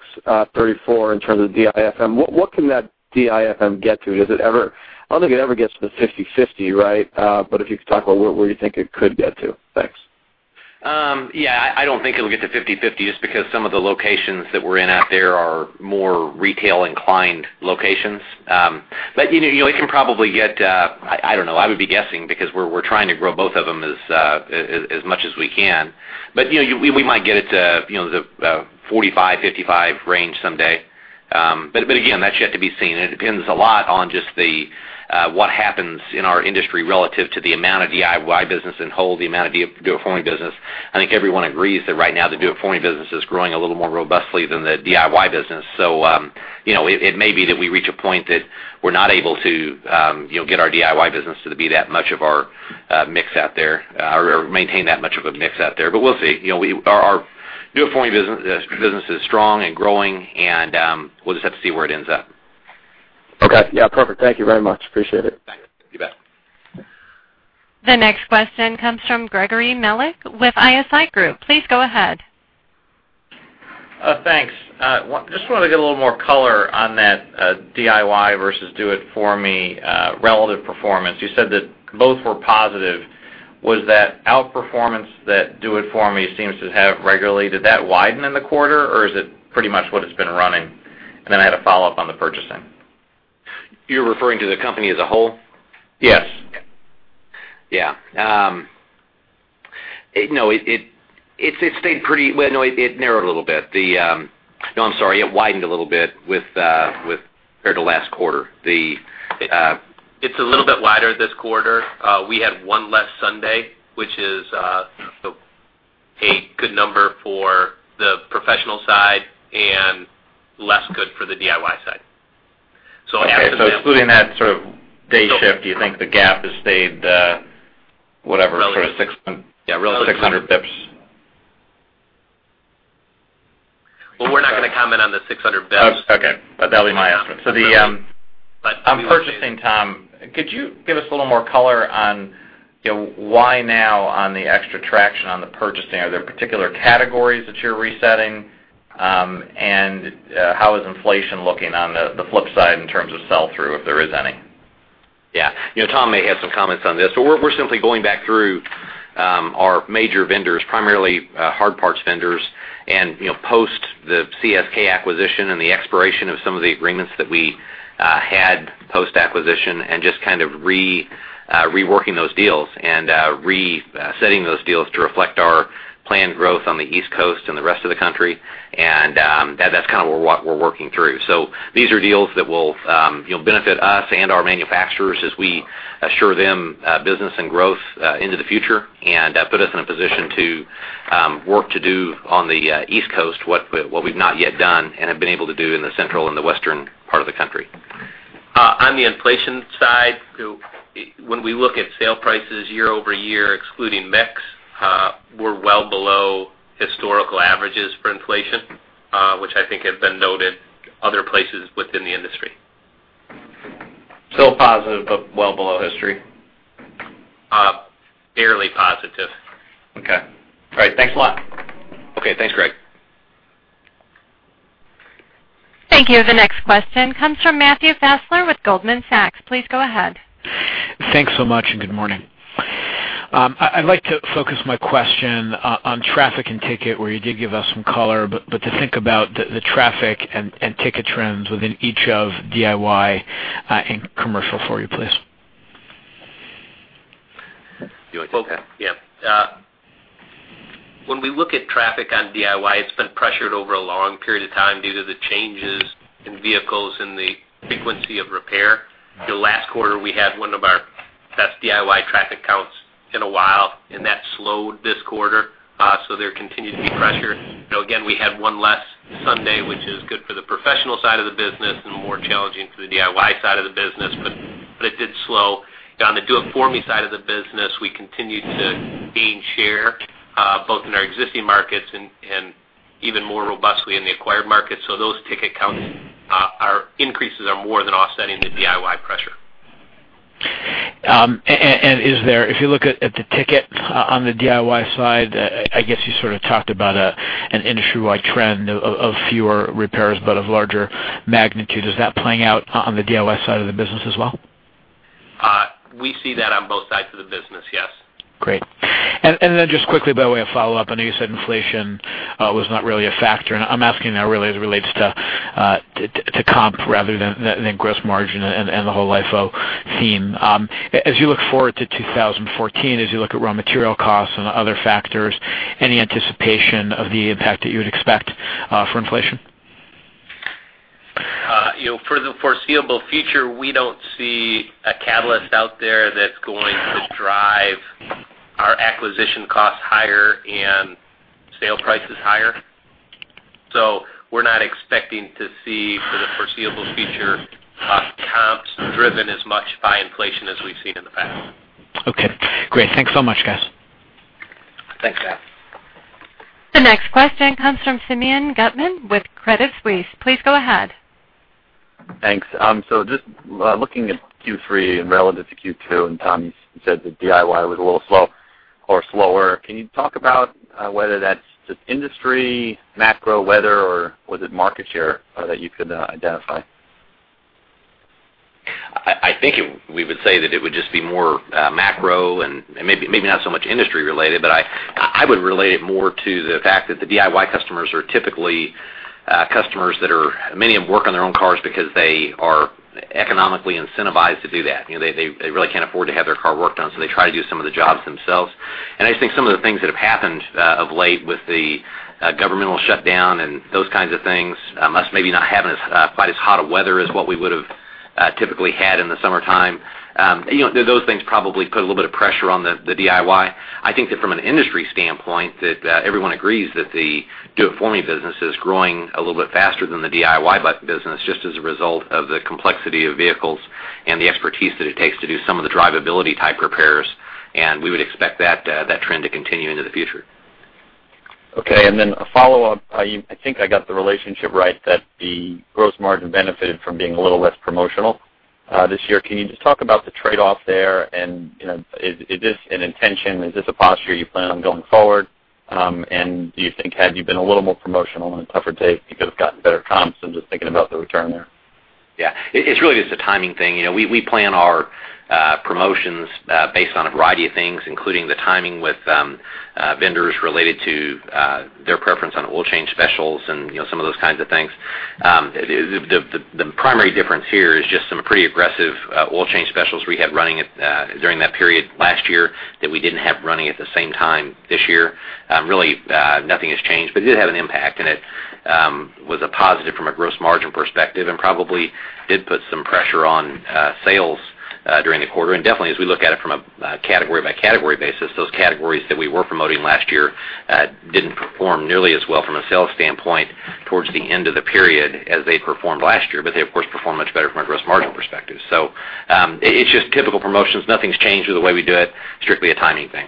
34 in terms of DIFM. What can that DIFM get to? I don't think it ever gets to the 50-50, right? If you could talk about where you think it could get to. Thanks. Yeah, I don't think it'll get to 50-50 just because some of the locations that we're in out there are more retail-inclined locations. It can probably get, I don't know, I would be guessing because we're trying to grow both of them as much as we can. We might get it to the 45, 55 range someday. Again, that's yet to be seen, and it depends a lot on just what happens in our industry relative to the amount of DIY business and whole, the amount of do-it-for-me business. I think everyone agrees that right now the do-it-for-me business is growing a little more robustly than the DIY business. It may be that we reach a point that we're not able to get our DIY business to be that much of our mix out there or maintain that much of a mix out there. We'll see. Our do-it-for-me business is strong and growing and we'll just have to see where it ends up. Okay. Yeah, perfect. Thank you very much. Appreciate it. Thank you. You bet. The next question comes from Gregory Melich with ISI Group. Please go ahead. Thanks. Just wanted to get a little more color on that DIY versus do it for me relative performance. You said that both were positive. Was that outperformance that do it for me seems to have regularly, did that widen in the quarter or is it pretty much what it's been running? I had a follow-up on the purchasing. You're referring to the company as a whole? Yes. Yeah. It narrowed a little bit. I'm sorry, it widened a little bit compared to last quarter. It's a little bit wider this quarter. We had one less Sunday, which is a good number for the professional side and less good for the DIY side. Okay. Excluding that sort of day shift, do you think the gap has stayed whatever, sort of 600 bips? Well, we're not going to comment on the 600 bips. That'll be my estimate. The purchasing, Tom, could you give us a little more color on why now on the extra traction on the purchasing? Are there particular categories that you're resetting? How is inflation looking on the flip side in terms of sell-through, if there is any? Yeah. Tom may have some comments on this, but we're simply going back through our major vendors, primarily hard parts vendors, and post the CSK acquisition and the expiration of some of the agreements that we had post-acquisition and just kind of reworking those deals and resetting those deals to reflect our planned growth on the East Coast and the rest of the country, and that's kind of what we're working through. These are deals that will benefit us and our manufacturers as we assure them business and growth into the future and put us in a position to work to do on the East Coast what we've not yet done and have been able to do in the central and the western part of the country. On the inflation side, when we look at sale prices year-over-year, excluding mix, we're well below historical averages for inflation, which I think have been noted other places within the industry. Still positive, but well below history. Barely positive. Okay. All right. Thanks a lot. Okay. Thanks, Greg. Thank you. The next question comes from Matthew Fassler with Goldman Sachs. Please go ahead. Thanks so much. Good morning. I'd like to focus my question on traffic and ticket, where you did give us some color, to think about the traffic and ticket trends within each of DIY and Commercial for you, please. DIY. Okay. Yeah. When we look at traffic on DIY, it's been pressured over a long period of time due to the changes in vehicles and the frequency of repair. The last quarter, we had one of our best DIY traffic counts in a while. That slowed this quarter, there continued to be pressure. Again, we had one less Sunday, which is good for the Professional side of the business and more challenging for the DIY side of the business. It did slow. On the Do-It-For-Me side of the business, we continued to gain share, both in our existing markets and even more robustly in the acquired markets. Those ticket counts increases are more than offsetting the DIY pressure. If you look at the ticket on the DIY side, I guess you sort of talked about an industry-wide trend of fewer repairs of larger magnitude. Is that playing out on the DIY side of the business as well? We see that on both sides of the business, yes. Great. Then just quickly, by way of follow-up, I know you said inflation was not really a factor, and I'm asking that really as it relates to comp rather than gross margin and the whole LIFO theme. As you look forward to 2014, as you look at raw material costs and other factors, any anticipation of the impact that you would expect for inflation? For the foreseeable future, we don't see a catalyst out there that's going to drive our acquisition costs higher and sale prices higher. We're not expecting to see, for the foreseeable future, comps driven as much by inflation as we've seen in the past. Okay, great. Thanks so much, guys. Thanks, Matt. The next question comes from Simeon Gutman with Credit Suisse. Please go ahead. Thanks. Just looking at Q3 and relative to Q2, Tom, you said that DIY was a little slow or slower. Can you talk about whether that's just industry, macro, weather, or was it market share that you could identify? I think we would say that it would just be more macro and maybe not so much industry-related, but I would relate it more to the fact that the DIY customers are typically customers that many of them work on their own cars because they are economically incentivized to do that. They really can't afford to have their car worked on, so they try to do some of the jobs themselves. I just think some of the things that have happened of late with the governmental shutdown and those kinds of things, us maybe not having quite as hot of weather as what we would have typically had in the summertime. Those things probably put a little bit of pressure on the DIY. I think that from an industry standpoint, that everyone agrees that the do-it-for-me business is growing a little bit faster than the DIY business, just as a result of the complexity of vehicles and the expertise that it takes to do some of the drivability type repairs. We would expect that trend to continue into the future. Okay, then a follow-up. I think I got the relationship right that the gross margin benefited from being a little less promotional this year. Can you just talk about the trade-off there and is this an intention, is this a posture you plan on going forward? Do you think had you been a little more promotional in a tougher take, you could have gotten better comps? I'm just thinking about the return there. Yeah. It's really just a timing thing. We plan our promotions based on a variety of things, including the timing with vendors related to their preference on oil change specials and some of those kinds of things. The primary difference here is just some pretty aggressive oil change specials we had running during that period last year that we didn't have running at the same time this year. Really, nothing has changed, but it did have an impact, it was a positive from a gross margin perspective and probably did put some pressure on sales during the quarter. Definitely, as we look at it from a category-by-category basis, those categories that we were promoting last year didn't perform nearly as well from a sales standpoint towards the end of the period as they performed last year. They, of course, performed much better from a gross margin perspective. It's just typical promotions. Nothing's changed with the way we do it, strictly a timing thing.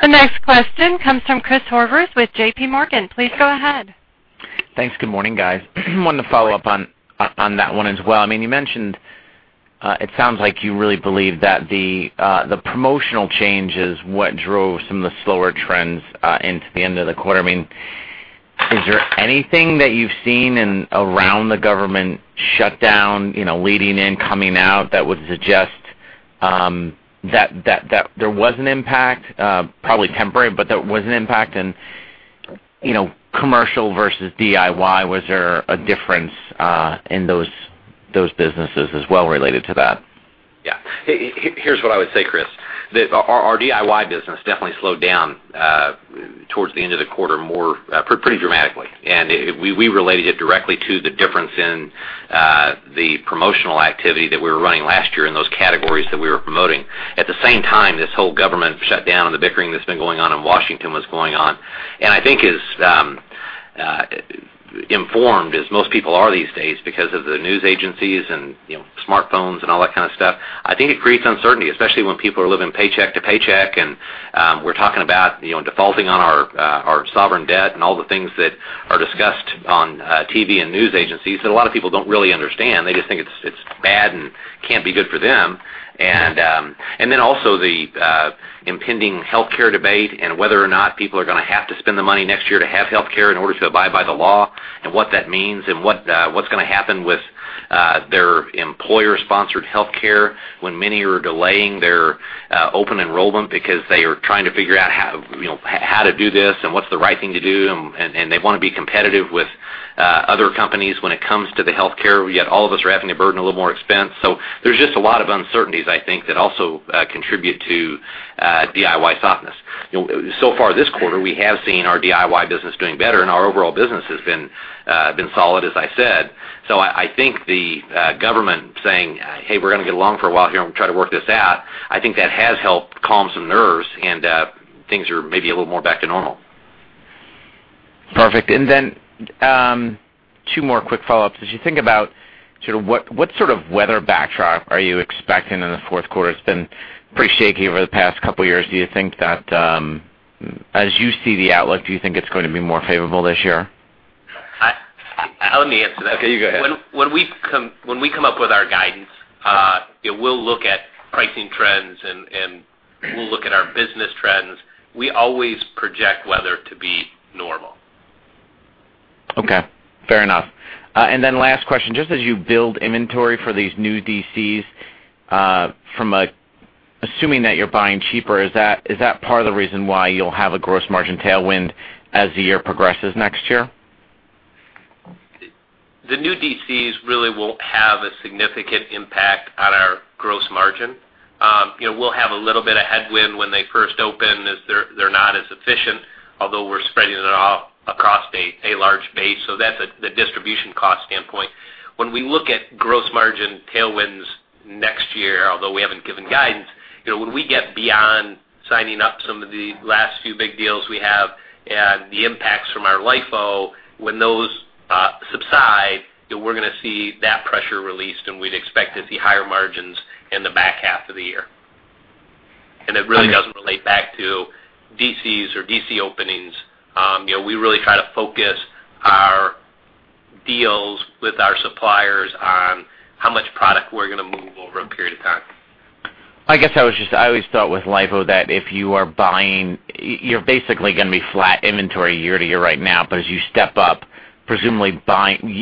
All right. Thank you, Tom. I just have a follow-up. In the industry, we're used to seeing other- The next question comes from Christopher Horvers with J.P. Morgan. Please go ahead. Thanks. Good morning, guys. Wanted to follow up on that one as well. You mentioned it sounds like you really believe that the promotional change is what drove some of the slower trends into the end of the quarter. Is there anything that you've seen around the government shutdown, leading in, coming out, that would suggest that there was an impact, probably temporary, but there was an impact and Commercial versus DIY, was there a difference in those businesses as well related to that? Yeah. Here's what I would say, Chris. Our DIY business definitely slowed down towards the end of the quarter pretty dramatically, and we related it directly to the difference in the promotional activity that we were running last year in those categories that we were promoting. At the same time, this whole government shutdown and the bickering that's been going on in Washington was going on, and I think is informed as most people are these days because of the news agencies and smartphones and all that kind of stuff. I think it creates uncertainty, especially when people are living paycheck to paycheck and we're talking about defaulting on our sovereign debt and all the things that are discussed on TV and news agencies that a lot of people don't really understand. They just think it's bad and can't be good for them. Also the impending healthcare debate and whether or not people are going to have to spend the money next year to have healthcare in order to abide by the law and what that means and what's going to happen with their employer-sponsored healthcare when many are delaying their open enrollment because they are trying to figure out how to do this and what's the right thing to do, and they want to be competitive with other companies when it comes to the healthcare, yet all of us are having to burden a little more expense. There's just a lot of uncertainties, I think, that also contribute to DIY softness. So far this quarter, we have seen our DIY business doing better and our overall business has been solid, as I said. I think the government saying, "Hey, we're going to get along for a while here and try to work this out," I think that has helped calm some nerves, and things are maybe a little more back to normal. Perfect. Two more quick follow-ups. As you think about what sort of weather backdrop are you expecting in the fourth quarter? It's been pretty shaky over the past couple of years. As you see the outlook, do you think it's going to be more favorable this year? Let me answer that. Okay, you go ahead. When we come up with our guidance, we'll look at pricing trends and we'll look at our business trends. We always project weather to be normal. Okay, fair enough. Last question, just as you build inventory for these new DCs, assuming that you're buying cheaper, is that part of the reason why you'll have a gross margin tailwind as the year progresses next year? The new DCs really won't have a significant impact on our gross margin. We'll have a little bit of headwind when they first open as they're not as efficient, although we're spreading it all across a large base, so that's the distribution cost standpoint. When we look at gross margin tailwinds next year, although we haven't given guidance, when we get beyond signing up some of the last few big deals we have and the impacts from our LIFO, when those subside, we're going to see that pressure released, and we'd expect to see higher margins in the back half of the year. It really doesn't relate back to DCs or DC openings. We really try to focus our deals with our suppliers on how much product we're going to move over a period of time. I guess I always thought with LIFO that if you are buying, you're basically going to be flat inventory year-to-year right now, as you step up, presumably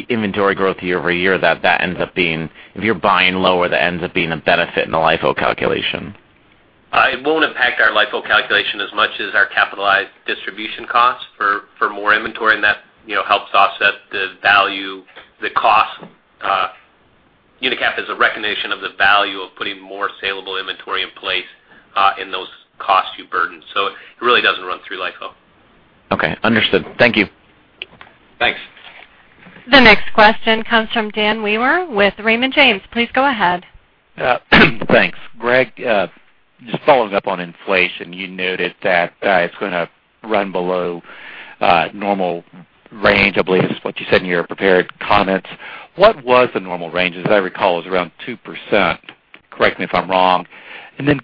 inventory growth year-over-year, if you're buying lower that ends up being a benefit in the LIFO calculation. It won't impact our LIFO calculation as much as our capitalized distribution cost for more inventory, that helps offset the cost. UNICAP is a recognition of the value of putting more saleable inventory in place in those cost you burden. It really doesn't run through LIFO. Understood. Thank you. Thanks. The next question comes from Dan Wewer with Raymond James. Please go ahead. Thanks. Greg, just following up on inflation, you noted that it's going to run below normal range, I believe is what you said in your prepared comments. What was the normal range? As I recall, it was around 2%. Correct me if I'm wrong.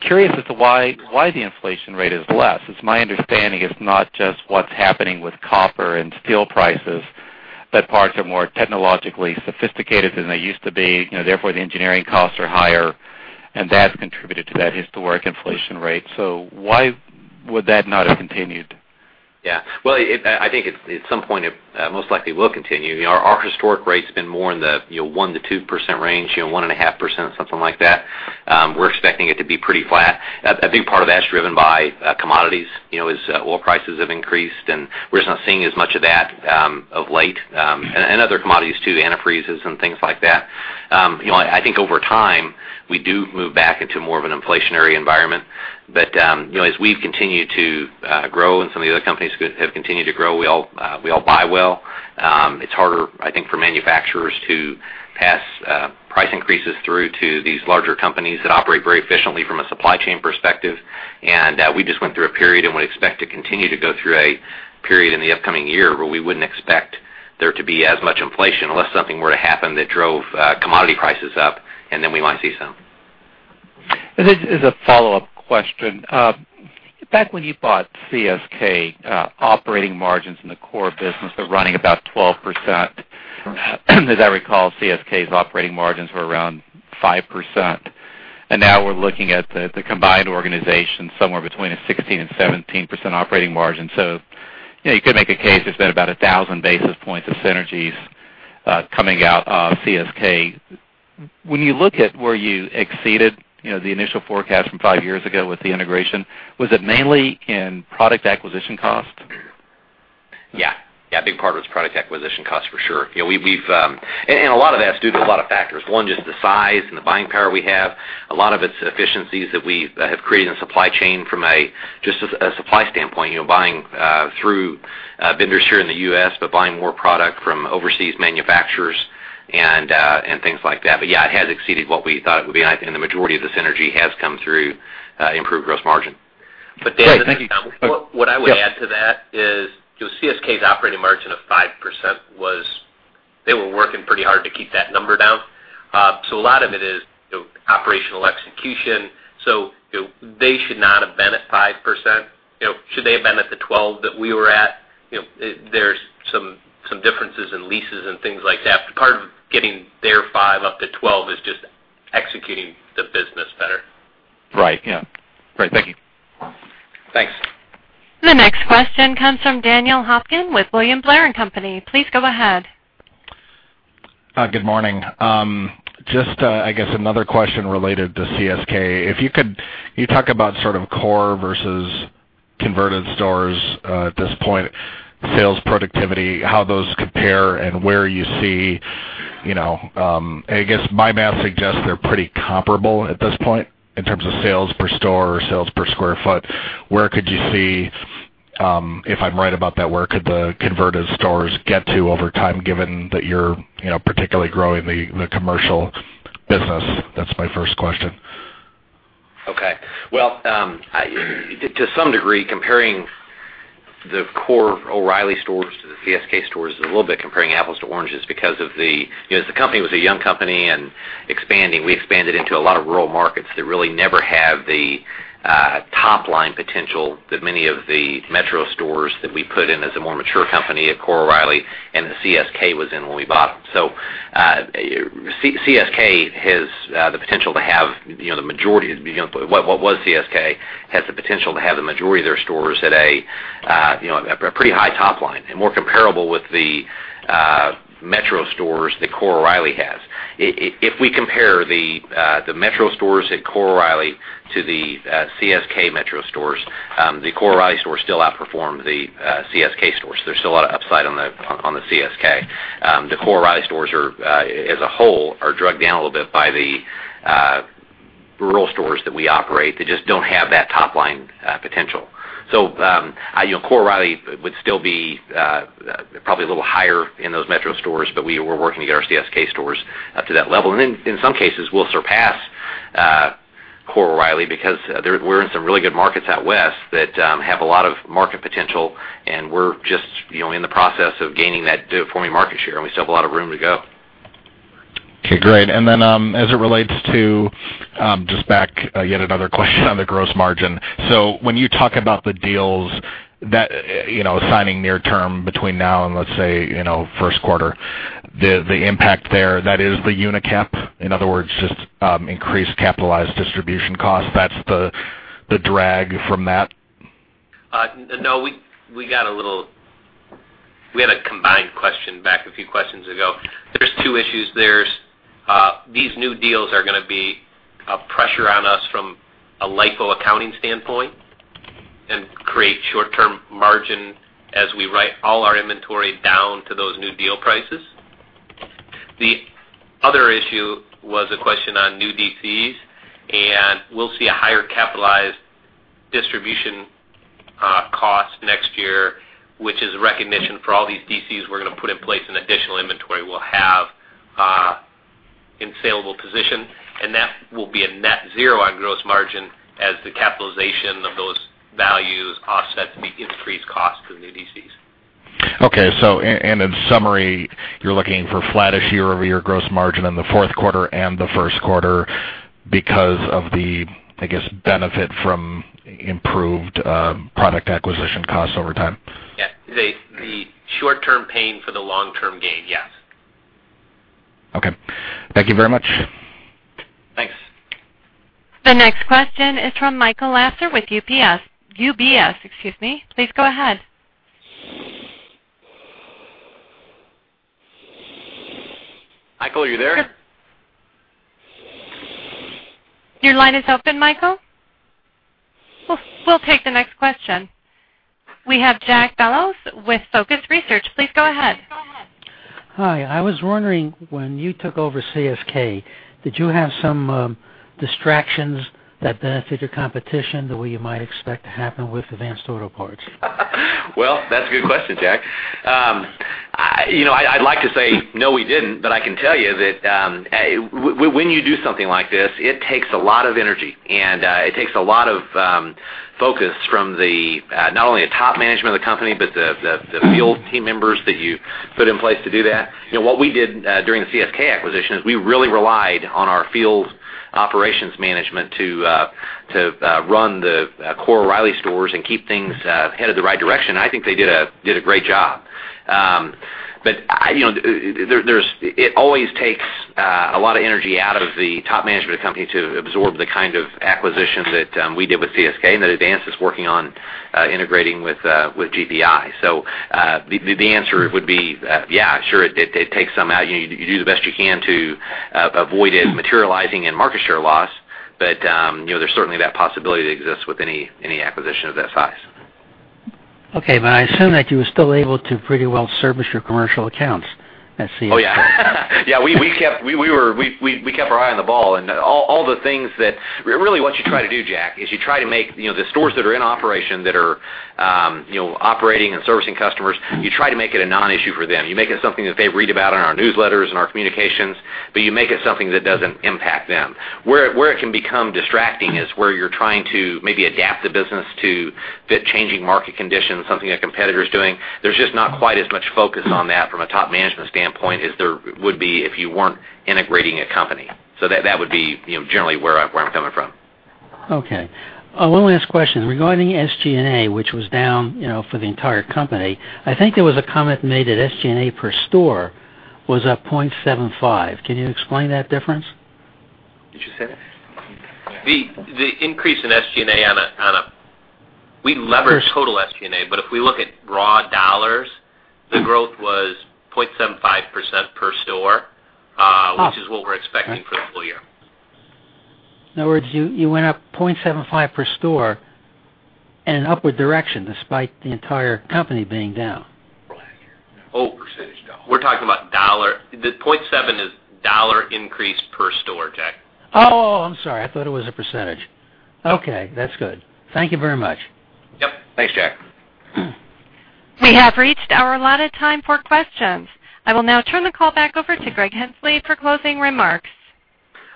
Curious as to why the inflation rate is less. It's my understanding it's not just what's happening with copper and steel prices, that parts are more technologically sophisticated than they used to be, therefore, the engineering costs are higher, and that's contributed to that historic inflation rate. Why would that not have continued? I think at some point, it most likely will continue. Our historic rate's been more in the 1%-2% range, 1.5%, something like that. We're expecting it to be pretty flat. I think part of that's driven by commodities, as oil prices have increased, and we're just not seeing as much of that of late. Other commodities too, the antifreezes and things like that. I think over time, we do move back into more of an inflationary environment. As we've continued to grow and some of the other companies have continued to grow, we all buy well. It's harder, I think, for manufacturers to pass price increases through to these larger companies that operate very efficiently from a supply chain perspective. We just went through a period and would expect to continue to go through a period in the upcoming year where we wouldn't expect there to be as much inflation unless something were to happen that drove commodity prices up, and then we might see some. This is a follow-up question. Back when you bought CSK Auto, operating margins in the core business were running about 12%. As I recall, CSK Auto's operating margins were around 5%. Now we're looking at the combined organization somewhere between a 16% and 17% operating margin. You could make a case there's been about 1,000 basis points of synergies coming out of CSK Auto. When you look at where you exceeded the initial forecast from five years ago with the integration, was it mainly in product acquisition cost? Yeah. A big part was product acquisition cost for sure. A lot of that's due to a lot of factors. One, just the size and the buying power we have. A lot of it's efficiencies that we have created in supply chain from just a supply standpoint, buying through vendors here in the U.S., but buying more product from overseas manufacturers and things like that. Yeah, it has exceeded what we thought it would be. I think the majority of the synergy has come through improved gross margin. Great. Thank you. Dan, what I would add to that is CSK Auto's operating margin of 5%, they were working pretty hard to keep that number down. A lot of it is operational execution, so they should not have been at 5%. Should they have been at the 12 that we were at? There's some differences in leases and things like that, but part of getting their five up to 12 is just executing the business better. Right. Yeah. Great. Thank you. Thanks. The next question comes from Daniel Hofkin with William Blair & Company. Please go ahead. Good morning. Just, I guess another question related to CSK. Can you talk about sort of core versus converted stores at this point, sales productivity, how those compare and where you see, I guess my math suggests they're pretty comparable at this point in terms of sales per store or sales per square foot. Where could you see, if I'm right about that, where could the converted stores get to over time, given that you're particularly growing the commercial business? That's my first question. Okay. Well, to some degree, comparing the core O’Reilly stores to the CSK stores is a little bit comparing apples to oranges because as the company was a young company and expanding, we expanded into a lot of rural markets that really never had the top-line potential that many of the metro stores that we put in as a more mature company at core O’Reilly and the CSK was in when we bought them. CSK has the potential to have the majority of their stores at a pretty high top line and more comparable with the metro stores that core O’Reilly has. If we compare the metro stores at core O’Reilly to the CSK metro stores, the core O’Reilly stores still outperform the CSK stores. There's still a lot of upside on the CSK. The core O’Reilly stores are, as a whole, are dragged down a little bit by the rural stores that we operate that just don't have that top-line potential. Core O’Reilly would still be probably a little higher in those metro stores, but we're working to get our CSK stores up to that level. In some cases, we'll surpass core O’Reilly because we're in some really good markets out west that have a lot of market potential, and we're just in the process of gaining that for market share, and we still have a lot of room to go. Okay, great. Then, as it relates to, just back yet another question on the gross margin. When you talk about the deals that, signing near term between now and, let's say, first quarter, the impact there, that is the UNICAP? In other words, just increased capitalized distribution cost. That's the drag from that? No, we had a combined question back a few questions ago. There's two issues. These new deals are going to be a pressure on us from a LIFO accounting standpoint and create short-term margin as we write all our inventory down to those new deal prices. The other issue was a question on new DCs, and we'll see a higher capitalized distribution cost next year, which is a recognition for all these DCs we're going to put in place and additional inventory we'll have in saleable position. That will be a net zero on gross margin as the capitalization of those values offset the increased cost of the new DCs. Okay. In summary, you're looking for flat-ish year-over-year gross margin in the fourth quarter and the first quarter because of the, I guess, benefit from improved product acquisition costs over time. Yeah. The short-term pain for the long-term gain, yes. Okay. Thank you very much. Thanks. The next question is from Michael Lasser with UBS. UBS, excuse me. Please go ahead. Michael, are you there? Your line is open, Michael. We'll take the next question. We have Jack Bellows with Stephens Inc. Please go ahead. Hi. I was wondering, when you took over CSK, did you have some distractions that benefited competition the way you might expect to happen with Advance Auto Parts? That's a good question, Jack. I'd like to say no, we didn't, but I can tell you that when you do something like this, it takes a lot of energy, and it takes a lot of focus from not only the top management of the company, but the field team members that you put in place to do that. What we did during the CSK acquisition is we really relied on our field operations management to run the core O’Reilly stores and keep things headed the right direction. I think they did a great job. It always takes a lot of energy out of the top management of the company to absorb the kind of acquisition that we did with CSK, and that Advance is working on integrating with GPI. The answer would be yeah, sure, it takes some out. You do the best you can to avoid it materializing in market share loss. There's certainly that possibility that exists with any acquisition of that size. I assume that you were still able to pretty well service your commercial accounts at CSK. Oh, yeah. We kept our eye on the ball and all the things. Really what you try to do, Jack, is you try to make the stores that are in operation, that are operating and servicing customers, you try to make it a non-issue for them. You make it something that they read about in our newsletters and our communications, but you make it something that doesn't impact them. Where it can become distracting is where you're trying to maybe adapt the business to fit changing market conditions, something a competitor's doing. There's just not quite as much focus on that from a top management standpoint as there would be if you weren't integrating a company. That would be generally where I'm coming from. Okay. A little last question. Regarding SG&A, which was down for the entire company, I think there was a comment made that SG&A per store was up 0.75%. Can you explain that difference? Did you say that? The increase in SG&A. We lever total SG&A, but if we look at raw dollars, the growth was 0.75% per store, which is what we're expecting for the full year. In other words, you went up 0.75% per store in an upward direction despite the entire company being down. Percentage dollar. We're talking about dollar. The 0.75% is dollar increase per store, Jack. Oh, I'm sorry. I thought it was a percentage. Okay, that's good. Thank you very much. Yep. Thanks, Jack. We have reached our allotted time for questions. I will now turn the call back over to Greg Henslee for closing remarks.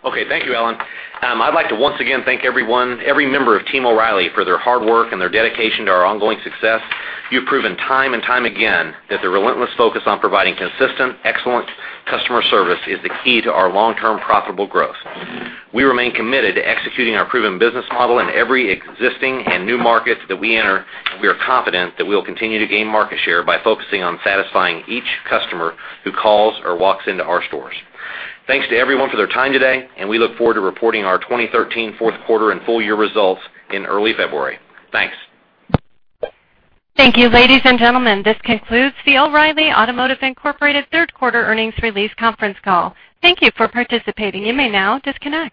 Okay. Thank you, Ellen. I'd like to once again thank everyone, every member of Team O’Reilly, for their hard work and their dedication to our ongoing success. You've proven time and time again that the relentless focus on providing consistent excellent customer service is the key to our long-term profitable growth. We remain committed to executing our proven business model in every existing and new market that we enter. We are confident that we will continue to gain market share by focusing on satisfying each customer who calls or walks into our stores. Thanks to everyone for their time today. We look forward to reporting our 2013 fourth quarter and full year results in early February. Thanks. Thank you. Ladies and gentlemen, this concludes the O’Reilly Automotive Incorporated third quarter earnings release conference call. Thank you for participating. You may now disconnect.